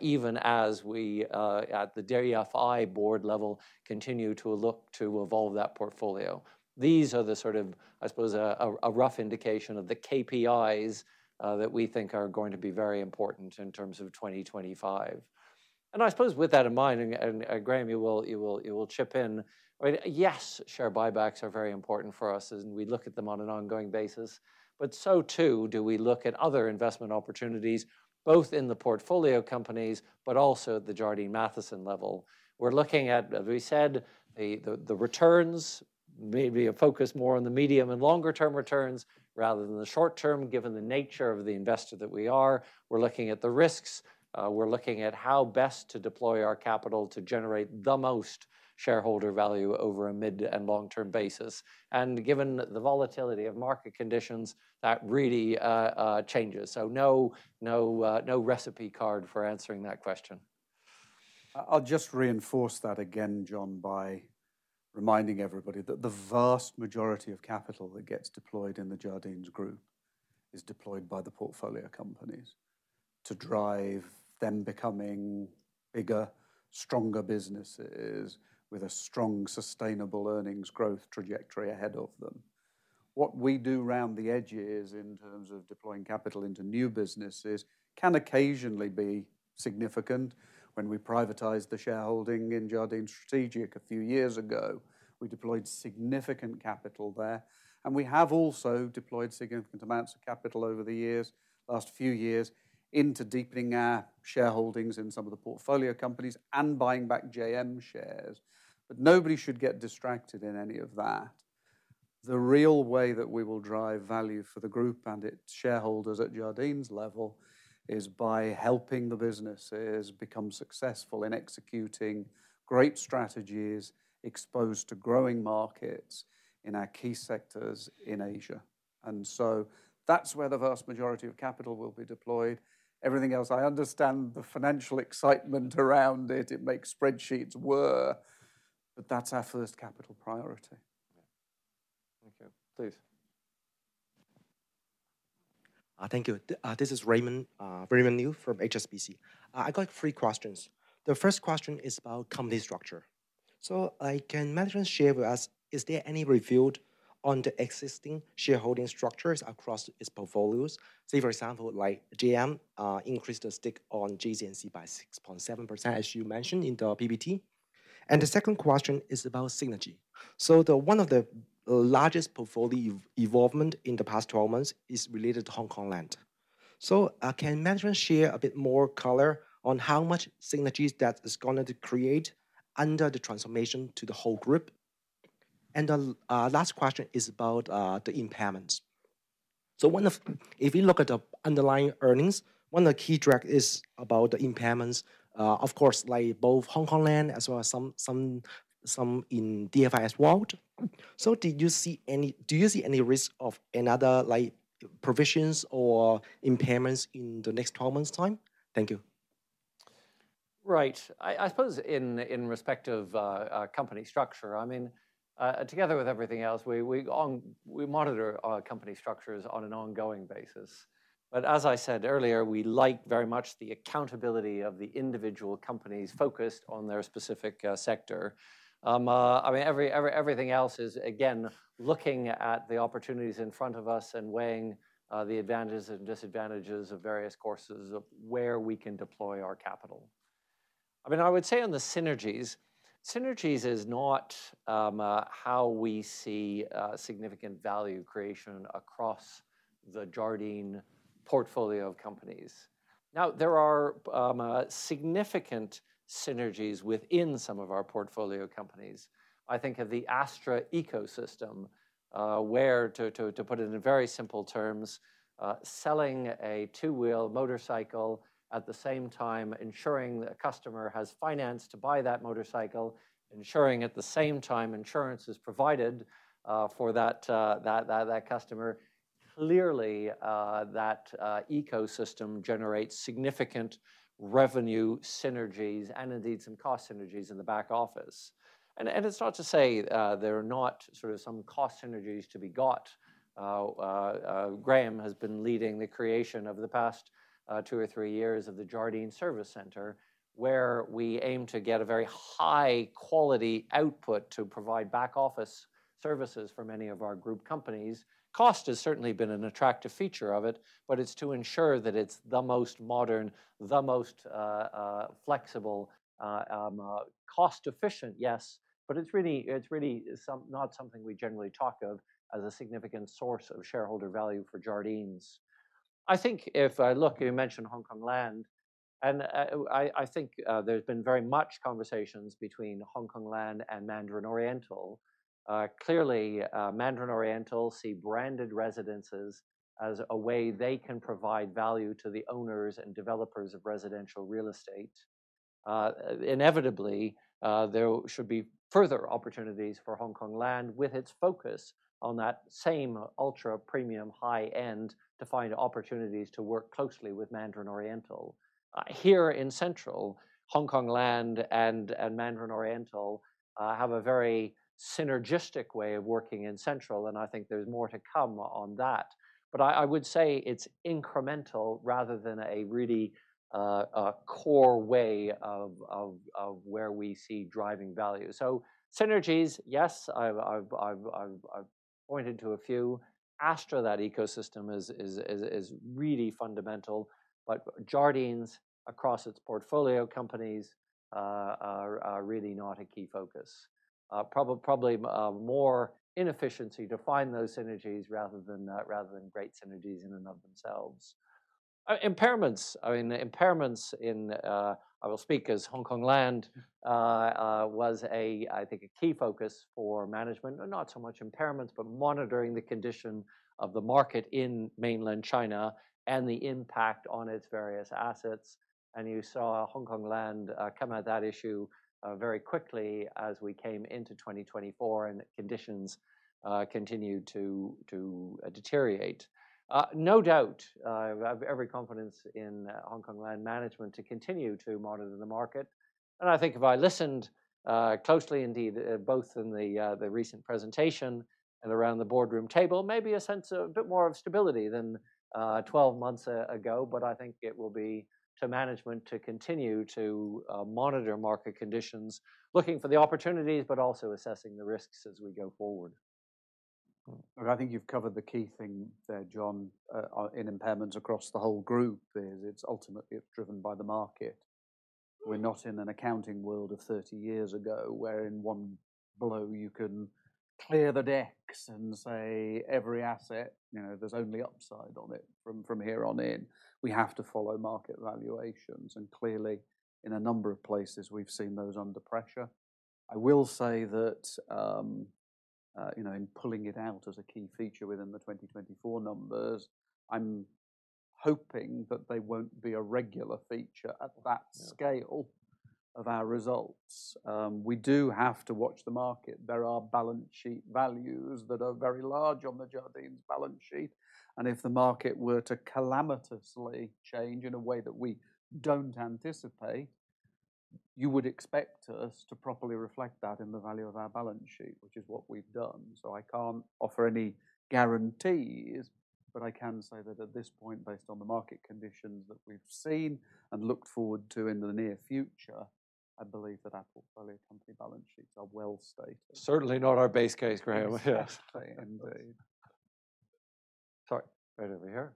even as we at the DFI board level continue to look to evolve that portfolio. These are the sort of, I suppose, a rough indication of the KPIs that we think are going to be very important in terms of 2025. I suppose with that in mind, and Graham, you will chip in, yes, share buybacks are very important for us, and we look at them on an ongoing basis. We also look at other investment opportunities, both in the portfolio companies, but also at the Jardine Matheson level. We are looking at, as we said, the returns, maybe a focus more on the medium and longer-term returns rather than the short-term, given the nature of the investor that we are. We are looking at the risks. We are looking at how best to deploy our capital to generate the most shareholder value over a mid and long-term basis. Given the volatility of market conditions, that really changes. There is no recipe card for answering that question. I'll just reinforce that again, John, by reminding everybody that the vast majority of capital that gets deployed in the Jardines group is deployed by the portfolio companies to drive them becoming bigger, stronger businesses with a strong, sustainable earnings growth trajectory ahead of them. What we do around the edges in terms of deploying capital into new businesses can occasionally be significant. When we privatized the shareholding in Jardines Strategic a few years ago, we deployed significant capital there. We have also deployed significant amounts of capital over the last few years into deepening our shareholdings in some of the portfolio companies and buying back JM shares. Nobody should get distracted in any of that. The real way that we will drive value for the group and its shareholders at Jardines level is by helping the businesses become successful in executing great strategies exposed to growing markets in our key sectors in Asia. That is where the vast majority of capital will be deployed. Everything else, I understand the financial excitement around it. It makes spreadsheets whirr. That is our first capital priority. Thank you. Please. Thank you. This is Raymond Liu from HSBC. I got three questions. The first question is about company structure. Can management share with us, is there any revealed on the existing shareholding structures across its portfolios? Say, for example, like JM increased the stake on JC&C by 6.7%, as you mentioned in the PBT. The second question is about synergy. One of the largest portfolio evolvements in the past 12 months is related to Hong Kong Land. Can management share a bit more color on how much synergies that is going to create under the transformation to the whole group? The last question is about the impairments. If you look at the underlying earnings, one of the key tracks is about the impairments, of course, like both Hong Kong Land as well as some in DFI as well. Do you see any risk of another provisions or impairments in the next 12 months' time? Thank you. Right. I suppose in respect of company structure, I mean, together with everything else, we monitor our company structures on an ongoing basis. As I said earlier, we like very much the accountability of the individual companies focused on their specific sector. I mean, everything else is, again, looking at the opportunities in front of us and weighing the advantages and disadvantages of various courses of where we can deploy our capital. I mean, I would say on the synergies, synergies is not how we see significant value creation across the Jardine portfolio of companies. Now, there are significant synergies within some of our portfolio companies. I think of the Astra ecosystem where, to put it in very simple terms, selling a two-wheel motorcycle at the same time ensuring that a customer has finance to buy that motorcycle, ensuring at the same time insurance is provided for that customer, clearly that ecosystem generates significant revenue synergies and indeed some cost synergies in the back office. It's not to say there are not sort of some cost synergies to be got. Graham has been leading the creation over the past two or three years of the Jardine Service Center, where we aim to get a very high-quality output to provide back office services for many of our group companies. Cost has certainly been an attractive feature of it, but it is to ensure that it is the most modern, the most flexible, cost-efficient, yes, but it is really not something we generally talk of as a significant source of shareholder value for Jardines. I think if I look, you mentioned Hong Kong Land, and I think there have been very much conversations between Hong Kong Land and Mandarin Oriental. Clearly, Mandarin Oriental see branded residences as a way they can provide value to the owners and developers of residential real estate. Inevitably, there should be further opportunities for Hong Kong Land with its focus on that same ultra-premium high-end to find opportunities to work closely with Mandarin Oriental. Here in Central, Hong Kong Land and Mandarin Oriental have a very synergistic way of working in Central, and I think there's more to come on that. I would say it's incremental rather than a really core way of where we see driving value. Synergies, yes, I've pointed to a few. Astra, that ecosystem is really fundamental, but Jardines across its portfolio companies are really not a key focus. Probably more inefficiency to find those synergies rather than great synergies in and of themselves. Impairments, I mean, the impairments in, I will speak as Hong Kong Land was, I think, a key focus for management, not so much impairments, but monitoring the condition of the market in mainland China and the impact on its various assets. You saw Hong Kong Land come out of that issue very quickly as we came into 2024 and conditions continued to deteriorate. No doubt, I have every confidence in Hong Kong Land management to continue to monitor the market. I think if I listened closely, indeed, both in the recent presentation and around the boardroom table, maybe a sense of a bit more of stability than 12 months ago, but I think it will be to management to continue to monitor market conditions, looking for the opportunities, but also assessing the risks as we go forward. I think you've covered the key thing there, John, in impairments across the whole group is it's ultimately driven by the market. We're not in an accounting world of 30 years ago where in one blow you can clear the decks and say every asset, there's only upside on it from here on in. We have to follow market valuations, and clearly in a number of places we've seen those under pressure. I will say that in pulling it out as a key feature within the 2024 numbers, I'm hoping that they won't be a regular feature at that scale of our results. We do have to watch the market. There are balance sheet values that are very large on the Jardine Matheson balance sheet. If the market were to calamitously change in a way that we do not anticipate, you would expect us to properly reflect that in the value of our balance sheet, which is what we have done. I cannot offer any guarantees, but I can say that at this point, based on the market conditions that we have seen and looked forward to in the near future, I believe that our portfolio company balance sheets are well stated. Certainly not our base case, Graham. Yes, indeed. Sorry, right over here.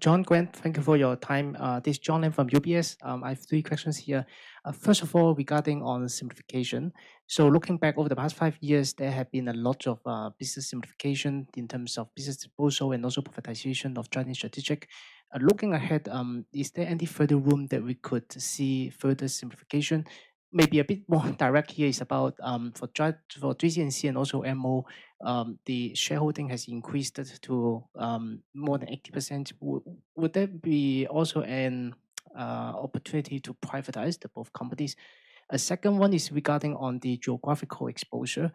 John Gwyn, thank you for your time. This is John Lane from UBS. I have three questions here. First of all, regarding on simplification. Looking back over the past five years, there have been a lot of business simplification in terms of business disposal and also privatization of Jardine Strategic. Looking ahead, is there any further room that we could see further simplification? Maybe a bit more direct here is about for JC&C and also MO, the shareholding has increased to more than 80%. Would there be also an opportunity to privatize the both companies? A second one is regarding on the geographical exposure.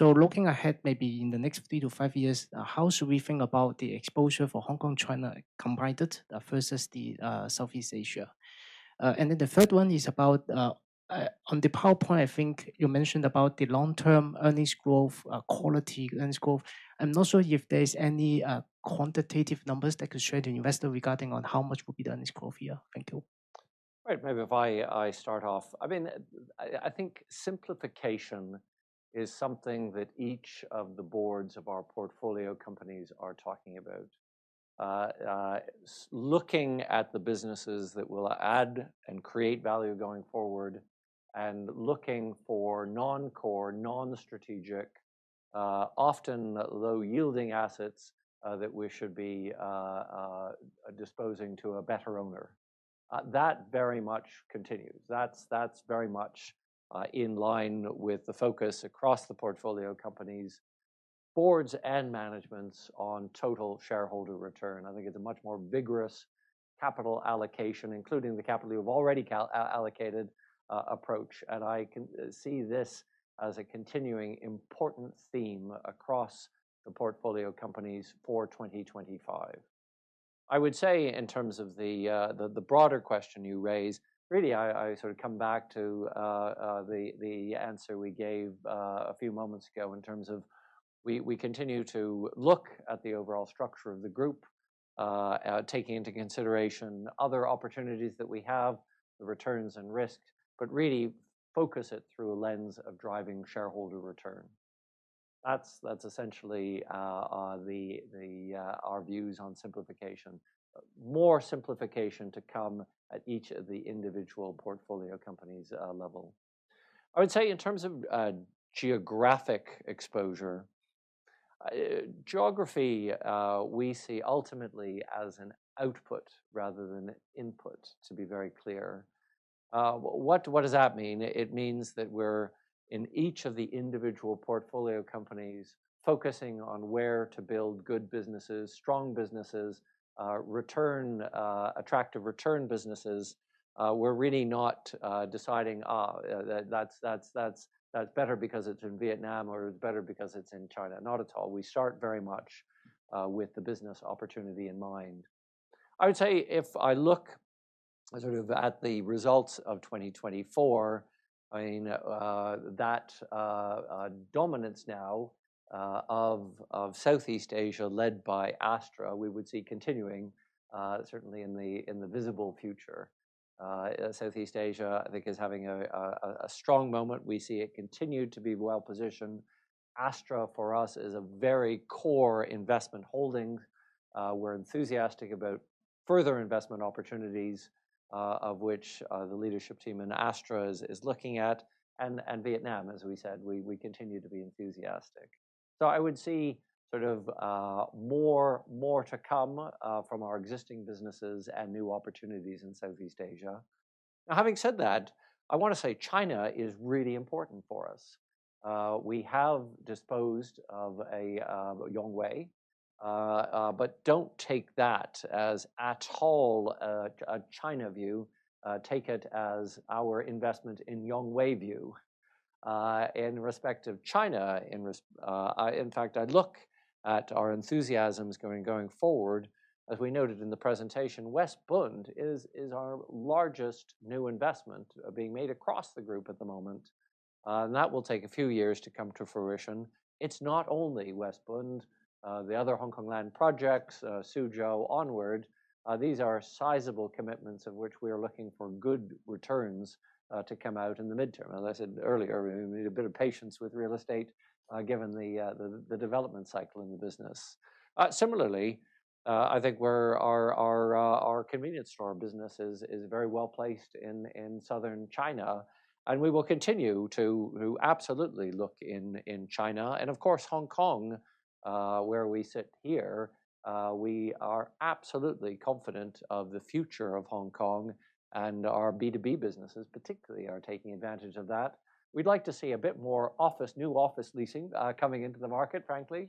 Looking ahead, maybe in the next three to five years, how should we think about the exposure for Hong Kong, China combined versus Southeast Asia? The third one is about on the PowerPoint, I think you mentioned about the long-term earnings growth, quality earnings growth, and also if there's any quantitative numbers that could share to investor regarding on how much will be the earnings growth here. Thank you. Right. Maybe if I start off, I mean, I think simplification is something that each of the boards of our portfolio companies are talking about. Looking at the businesses that will add and create value going forward and looking for non-core, non-strategic, often low-yielding assets that we should be disposing to a better owner. That very much continues. That's very much in line with the focus across the portfolio companies, boards and managements on total shareholder return. I think it's a much more vigorous capital allocation, including the capital you've already allocated approach. I can see this as a continuing important theme across the portfolio companies for 2025. I would say in terms of the broader question you raise, really I sort of come back to the answer we gave a few moments ago in terms of we continue to look at the overall structure of the group, taking into consideration other opportunities that we have, the returns and risks, but really focus it through a lens of driving shareholder return. That's essentially our views on simplification. More simplification to come at each of the individual portfolio companies level. I would say in terms of geographic exposure, geography we see ultimately as an output rather than an input, to be very clear. What does that mean? It means that we're in each of the individual portfolio companies focusing on where to build good businesses, strong businesses, attractive return businesses. We're really not deciding that's better because it's in Vietnam or it's better because it's in China. Not at all. We start very much with the business opportunity in mind. I would say if I look sort of at the results of 2024, I mean, that dominance now of Southeast Asia led by Astra, we would see continuing certainly in the visible future. Southeast Asia, I think, is having a strong moment. We see it continued to be well positioned. Astra for us is a very core investment holding. We're enthusiastic about further investment opportunities, of which the leadership team in Astra is looking at. Vietnam, as we said, we continue to be enthusiastic. I would see sort of more to come from our existing businesses and new opportunities in Southeast Asia. Now, having said that, I want to say China is really important for us. We have disposed of a Yongwei, but do not take that as at all a China view. Take it as our investment in Yongwei view in respect of China. In fact, I look at our enthusiasms going forward. As we noted in the presentation, West Bund is our largest new investment being made across the group at the moment. That will take a few years to come to fruition. It is not only West Bund. The other Hong Kong Land projects, Suzhou onward, these are sizable commitments of which we are looking for good returns to come out in the midterm. As I said earlier, we need a bit of patience with real estate given the development cycle in the business. Similarly, I think our convenience store business is very well placed in southern China. We will continue to absolutely look in China. Of course, Hong Kong, where we sit here, we are absolutely confident of the future of Hong Kong and our B2B businesses, particularly are taking advantage of that. We'd like to see a bit more new office leasing coming into the market, frankly.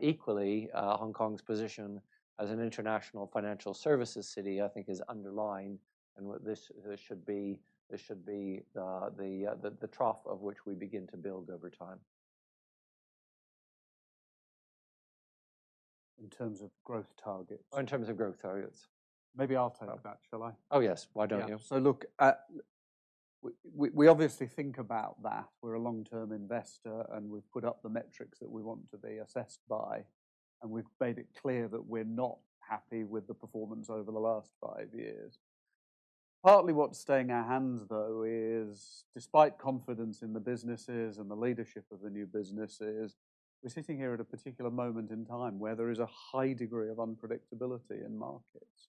Equally, Hong Kong's position as an international financial services city, I think, is underlined. This should be the trough of which we begin to build over time. In terms of growth targets. In terms of growth targets. Maybe I'll take that, shall I? Oh, yes. Why don't you? Look, we obviously think about that. We're a long-term investor and we've put up the metrics that we want to be assessed by. We've made it clear that we're not happy with the performance over the last five years. Partly what's staying our hands, though, is despite confidence in the businesses and the leadership of the new businesses, we're sitting here at a particular moment in time where there is a high degree of unpredictability in markets.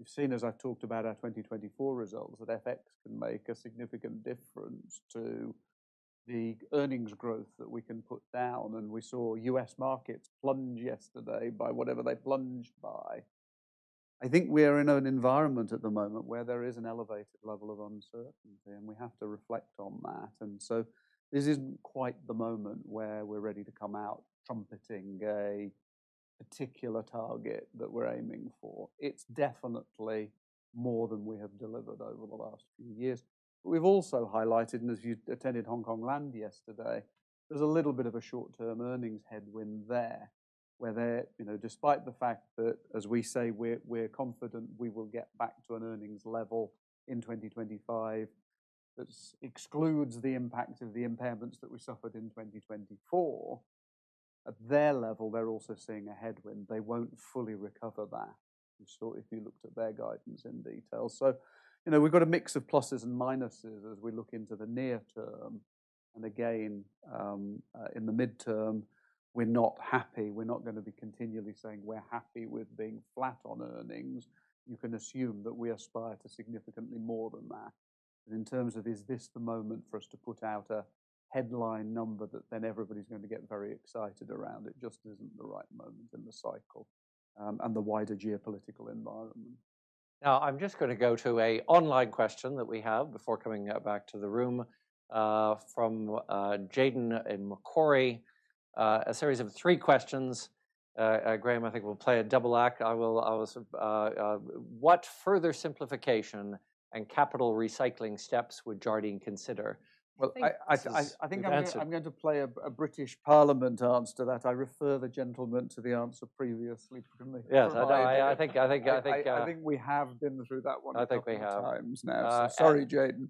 You've seen, as I've talked about our 2024 results, that FX can make a significant difference to the earnings growth that we can put down. We saw US markets plunge yesterday by whatever they plunged by. I think we are in an environment at the moment where there is an elevated level of uncertainty, and we have to reflect on that. This isn't quite the moment where we're ready to come out trumpeting a particular target that we're aiming for. It's definitely more than we have delivered over the last few years. We have also highlighted, and as you attended Hong Kong Land yesterday, there is a little bit of a short-term earnings headwind there where despite the fact that, as we say, we are confident we will get back to an earnings level in 2025 that excludes the impact of the impairments that we suffered in 2024, at their level, they are also seeing a headwind. They will not fully recover that if you looked at their guidance in detail. We have got a mix of pluses and minuses as we look into the near term. Again, in the midterm, we are not happy. We are not going to be continually saying we are happy with being flat on earnings. You can assume that we aspire to significantly more than that. In terms of is this the moment for us to put out a headline number that then everybody's going to get very excited around, it just isn't the right moment in the cycle and the wider geopolitical environment. Now, I'm just going to go to an online question that we have before coming back to the room from Jaden in Macquarie, a series of three questions. Graham, I think we'll play a double act. What further simplification and capital recycling steps would Jardine consider? I think I'm going to play a British Parliament answer to that. I refer the gentleman to the answer previously from me. Yes, I think we have been through that one a couple of times now. Sorry, Jaden.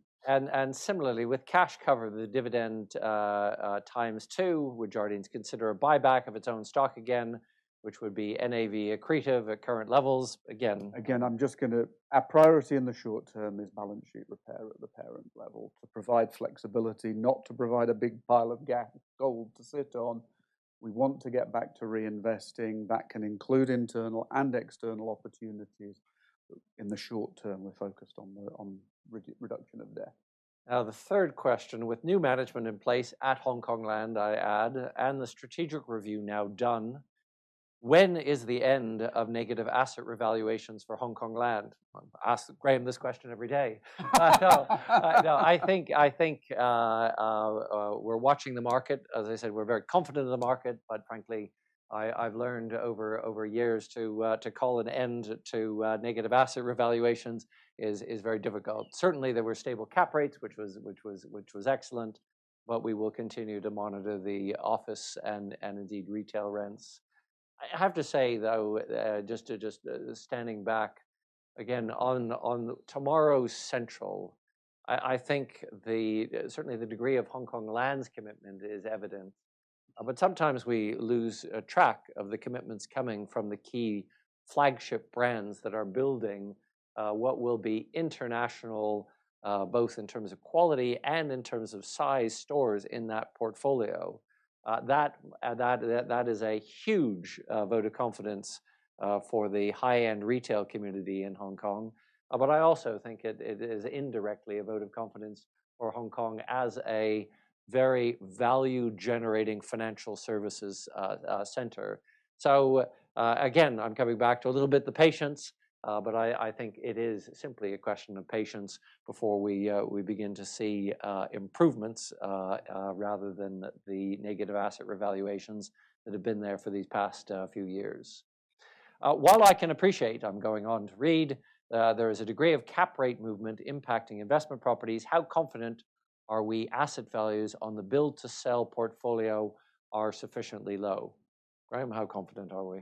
Similarly, with cash cover the dividend times two, would Jardine consider a buyback of its own stock again, which would be NAV accretive at current levels? Again, I'm just going to our priority in the short term is balance sheet repair at the parent level to provide flexibility, not to provide a big pile of gold to sit on. We want to get back to reinvesting. That can include internal and external opportunities. In the short term, we're focused on reduction of debt. Now, the third question, with new management in place at Hong Kong Land, I add, and the strategic review now done, when is the end of negative asset revaluations for Hong Kong Land? I ask Graham this question every day. I think we're watching the market. As I said, we're very confident in the market, but frankly, I've learned over years to call an end to negative asset revaluations is very difficult. Certainly, there were stable cap rates, which was excellent, but we will continue to monitor the office and indeed retail rents. I have to say, though, just standing back again on tomorrow's central, I think certainly the degree of Hong Kong Land's commitment is evident. Sometimes we lose track of the commitments coming from the key flagship brands that are building what will be international, both in terms of quality and in terms of size stores in that portfolio. That is a huge vote of confidence for the high-end retail community in Hong Kong. I also think it is indirectly a vote of confidence for Hong Kong as a very value-generating financial services center. Again, I'm coming back to a little bit the patience, but I think it is simply a question of patience before we begin to see improvements rather than the negative asset revaluations that have been there for these past few years. While I can appreciate I'm going on to read, there is a degree of cap rate movement impacting investment properties. How confident are we asset values on the build-to-sell portfolio are sufficiently low? Graham, how confident are we?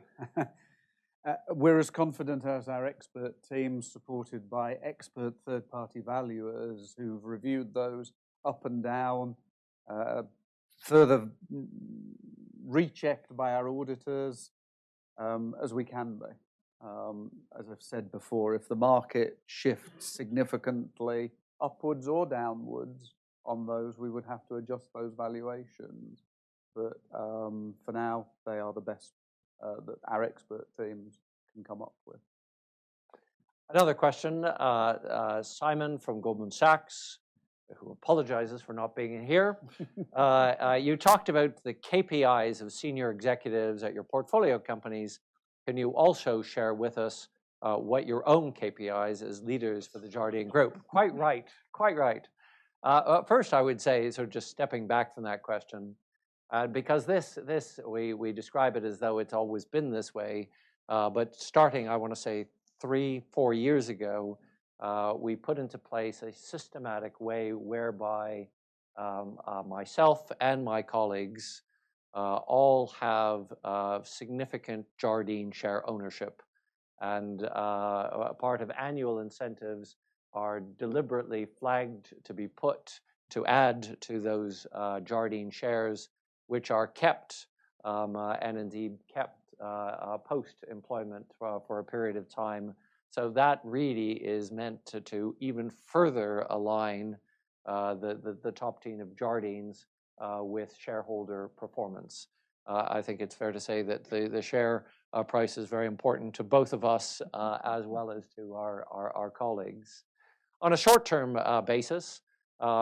We're as confident as our expert team supported by expert third-party valuers who've reviewed those up and down, further rechecked by our auditors as we can be. As I've said before, if the market shifts significantly upwards or downwards on those, we would have to adjust those valuations. For now, they are the best that our expert teams can come up with. Another question, Simon from Goldman Sachs, who apologizes for not being here. You talked about the KPIs of senior executives at your portfolio companies. Can you also share with us what your own KPIs as leaders for the Jardine Group? Quite right. Quite right. First, I would say, just stepping back from that question, because we describe it as though it's always been this way. Starting, I want to say three, four years ago, we put into place a systematic way whereby myself and my colleagues all have significant Jardine share ownership. Part of annual incentives are deliberately flagged to be put to add to those Jardine shares, which are kept and indeed kept post-employment for a period of time. That really is meant to even further align the top team of Jardines with shareholder performance. I think it's fair to say that the share price is very important to both of us as well as to our colleagues. On a short-term basis,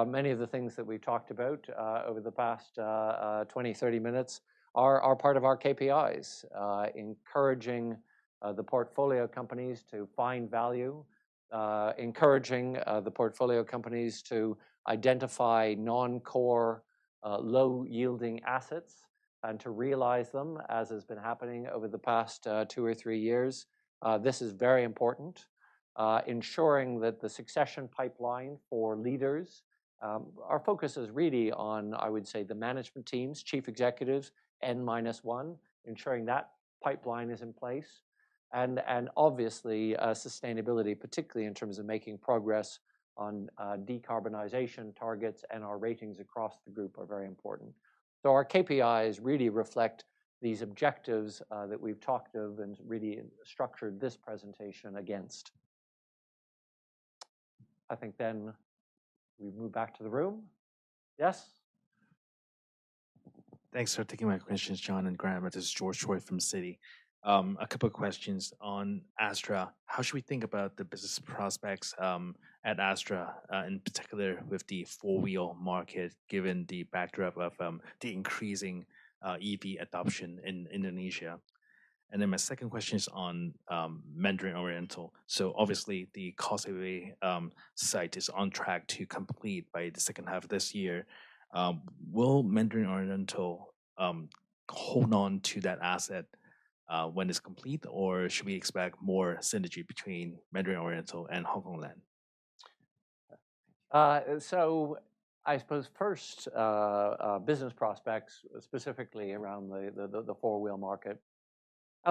many of the things that we've talked about over the past 20-30 minutes are part of our KPIs, encouraging the portfolio companies to find value, encouraging the portfolio companies to identify non-core, low-yielding assets and to realize them, as has been happening over the past two or three years. This is very important. Ensuring that the succession pipeline for leaders, our focus is really on, I would say, the management teams, chief executives, N minus one, ensuring that pipeline is in place. Obviously, sustainability, particularly in terms of making progress on decarbonization targets and our ratings across the group are very important. Our KPIs really reflect these objectives that we've talked of and really structured this presentation against. I think then we move back to the room. Yes? Thanks for taking my questions, John and Graham. This is George Roy from Citi. A couple of questions on Astra. How should we think about the business prospects at Astra, in particular with the four-wheel market, given the backdrop of the increasing EV adoption in Indonesia? My second question is on Mandarin Oriental. Obviously, the Causeway site is on track to complete by the second half of this year. Will Mandarin Oriental hold on to that asset when it's complete, or should we expect more synergy between Mandarin Oriental and Hong Kong Land? I suppose first, business prospects, specifically around the four-wheel market.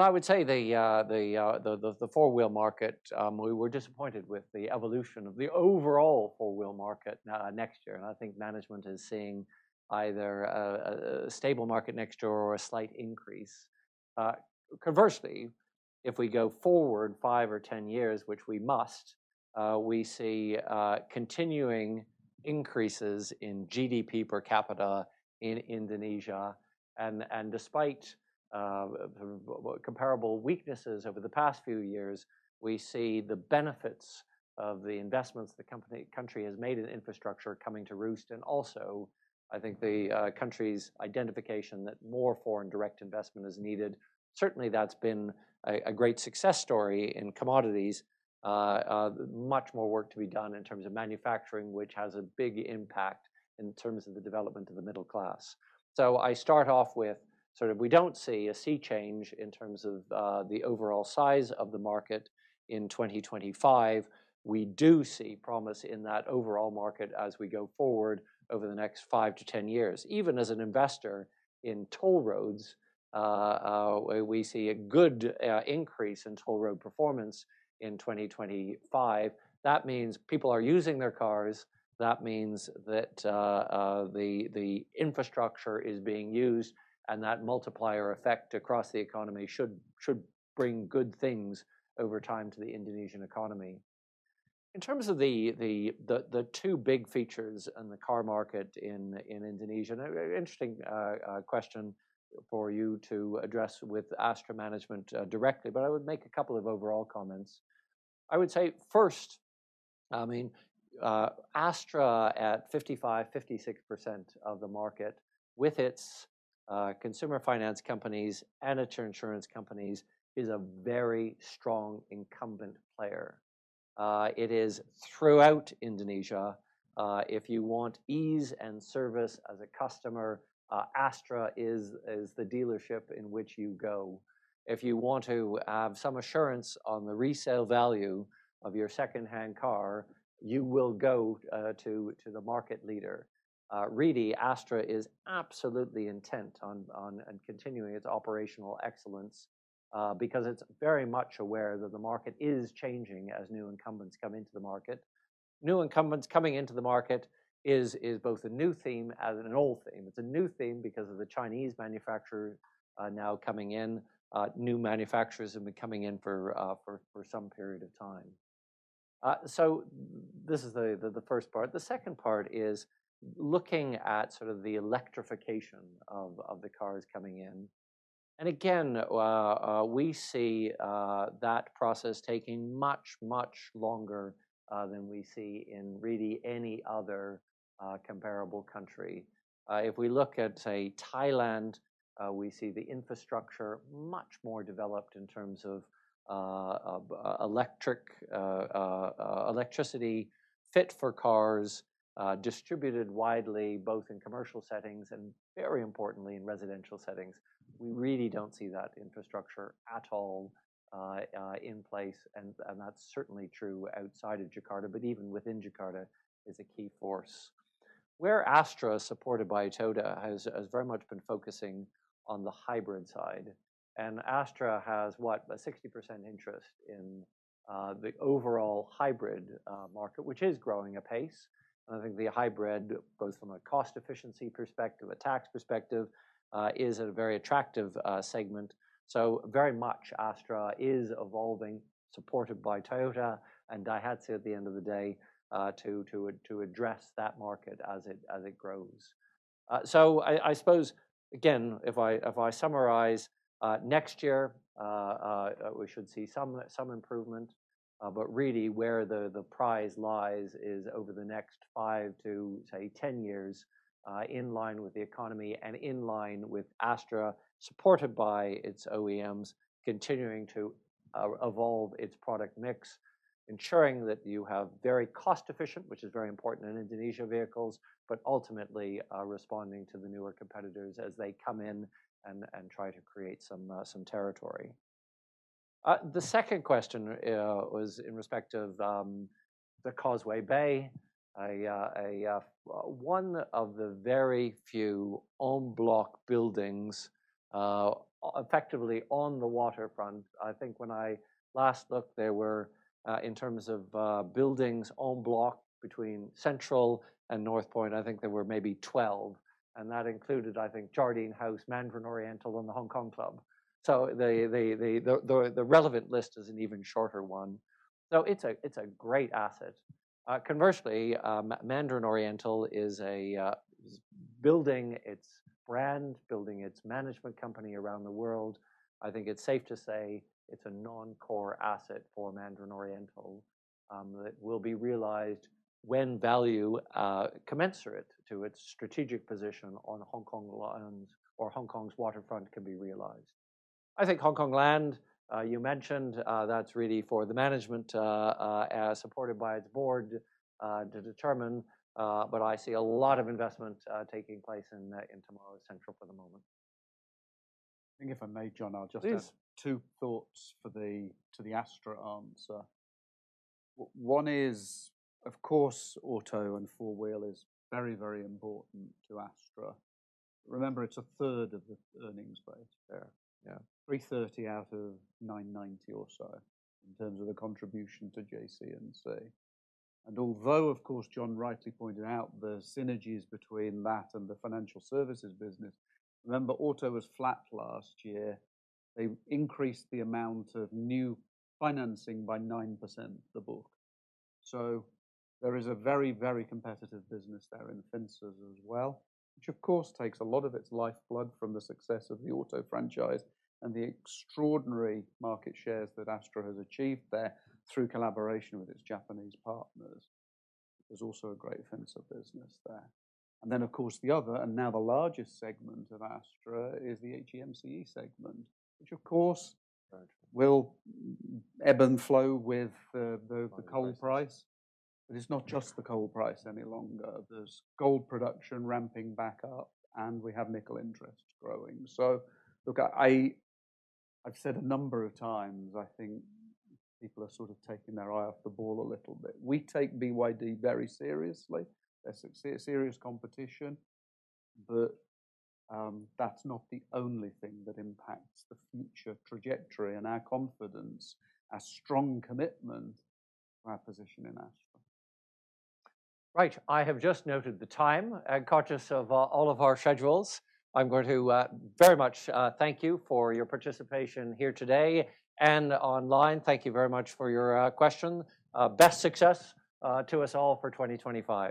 I would say the four-wheel market, we were disappointed with the evolution of the overall four-wheel market next year. I think management is seeing either a stable market next year or a slight increase. Conversely, if we go forward five or ten years, which we must, we see continuing increases in GDP per capita in Indonesia. Despite comparable weaknesses over the past few years, we see the benefits of the investments the country has made in infrastructure coming to roost. I think the country's identification that more foreign direct investment is needed. Certainly, that's been a great success story in commodities. Much more work to be done in terms of manufacturing, which has a big impact in terms of the development of the middle class. I start off with sort of we don't see a sea change in terms of the overall size of the market in 2025. We do see promise in that overall market as we go forward over the next five to ten years. Even as an investor in toll roads, we see a good increase in toll road performance in 2025. That means people are using their cars. That means that the infrastructure is being used. That multiplier effect across the economy should bring good things over time to the Indonesian economy. In terms of the two big features in the car market in Indonesia, an interesting question for you to address with Astra management directly, but I would make a couple of overall comments. I would say first, I mean, Astra at 55%-56% of the market with its consumer finance companies and its insurance companies is a very strong incumbent player. It is throughout Indonesia. If you want ease and service as a customer, Astra is the dealership in which you go. If you want to have some assurance on the resale value of your second-hand car, you will go to the market leader. Really, Astra is absolutely intent on continuing its operational excellence because it's very much aware that the market is changing as new incumbents come into the market. New incumbents coming into the market is both a new theme and an old theme. It's a new theme because of the Chinese manufacturer now coming in. New manufacturers have been coming in for some period of time. This is the first part. The second part is looking at sort of the electrification of the cars coming in. Again, we see that process taking much, much longer than we see in really any other comparable country. If we look at, say, Thailand, we see the infrastructure much more developed in terms of electricity fit for cars distributed widely, both in commercial settings and very importantly in residential settings. We really do not see that infrastructure at all in place. That is certainly true outside of Jakarta, but even within Jakarta is a key force. Where Astra, supported by Toyota, has very much been focusing on the hybrid side. Astra has, what, 60% interest in the overall hybrid market, which is growing apace. I think the hybrid, both from a cost efficiency perspective, a tax perspective, is a very attractive segment. Very much Astra is evolving, supported by Toyota and Daihatsu at the end of the day to address that market as it grows. I suppose, again, if I summarize, next year we should see some improvement. Really, where the prize lies is over the next five to, say, ten years, in line with the economy and in line with Astra, supported by its OEMs, continuing to evolve its product mix, ensuring that you have very cost efficient, which is very important in Indonesia vehicles, but ultimately responding to the newer competitors as they come in and try to create some territory. The second question was in respect of the Causeway Bay, one of the very few en bloc buildings effectively on the waterfront. I think when I last looked, there were, in terms of buildings en bloc between Central and Northpoint, I think there were maybe 12. That included, I think, Jardine House, Mandarin Oriental, and the Hong Kong Club. The relevant list is an even shorter one. It is a great asset. Conversely, Mandarin Oriental is building its brand, building its management company around the world. I think it's safe to say it's a non-core asset for Mandarin Oriental that will be realized when value commensurate to its strategic position on Hong Kong Land or Hong Kong's waterfront can be realized. I think Hong Kong Land, you mentioned, that's really for the management supported by its board to determine. I see a lot of investment taking place in Tomorrow's Central for the moment. I think if I may, John, I'll just add two thoughts to the Astra answer. One is, of course, auto and four-wheel is very, very important to Astra. Remember, it's a third of the earnings base there. Yeah, 330 out of 990 or so in terms of the contribution to JC&C. Although, of course, John rightly pointed out the synergies between that and the financial services business, remember, auto was flat last year. They increased the amount of new financing by 9% of the book. There is a very, very competitive business there in fences as well, which, of course, takes a lot of its lifeblood from the success of the auto franchise and the extraordinary market shares that Astra has achieved there through collaboration with its Japanese partners. There is also a great fence of business there. Of course, the other, and now the largest segment of Astra, is the HEMCE segment, which, of course, will ebb and flow with the coal price. It is not just the coal price any longer. There is gold production ramping back up, and we have nickel interest growing. Look, I've said a number of times, I think people are sort of taking their eye off the ball a little bit. We take BYD very seriously. They're serious competition. That is not the only thing that impacts the future trajectory and our confidence, our strong commitment to our position in Astra. Right. I have just noted the time, conscious of all of our schedules. I'm going to very much thank you for your participation here today and online. Thank you very much for your question. Best success to us all for 2025.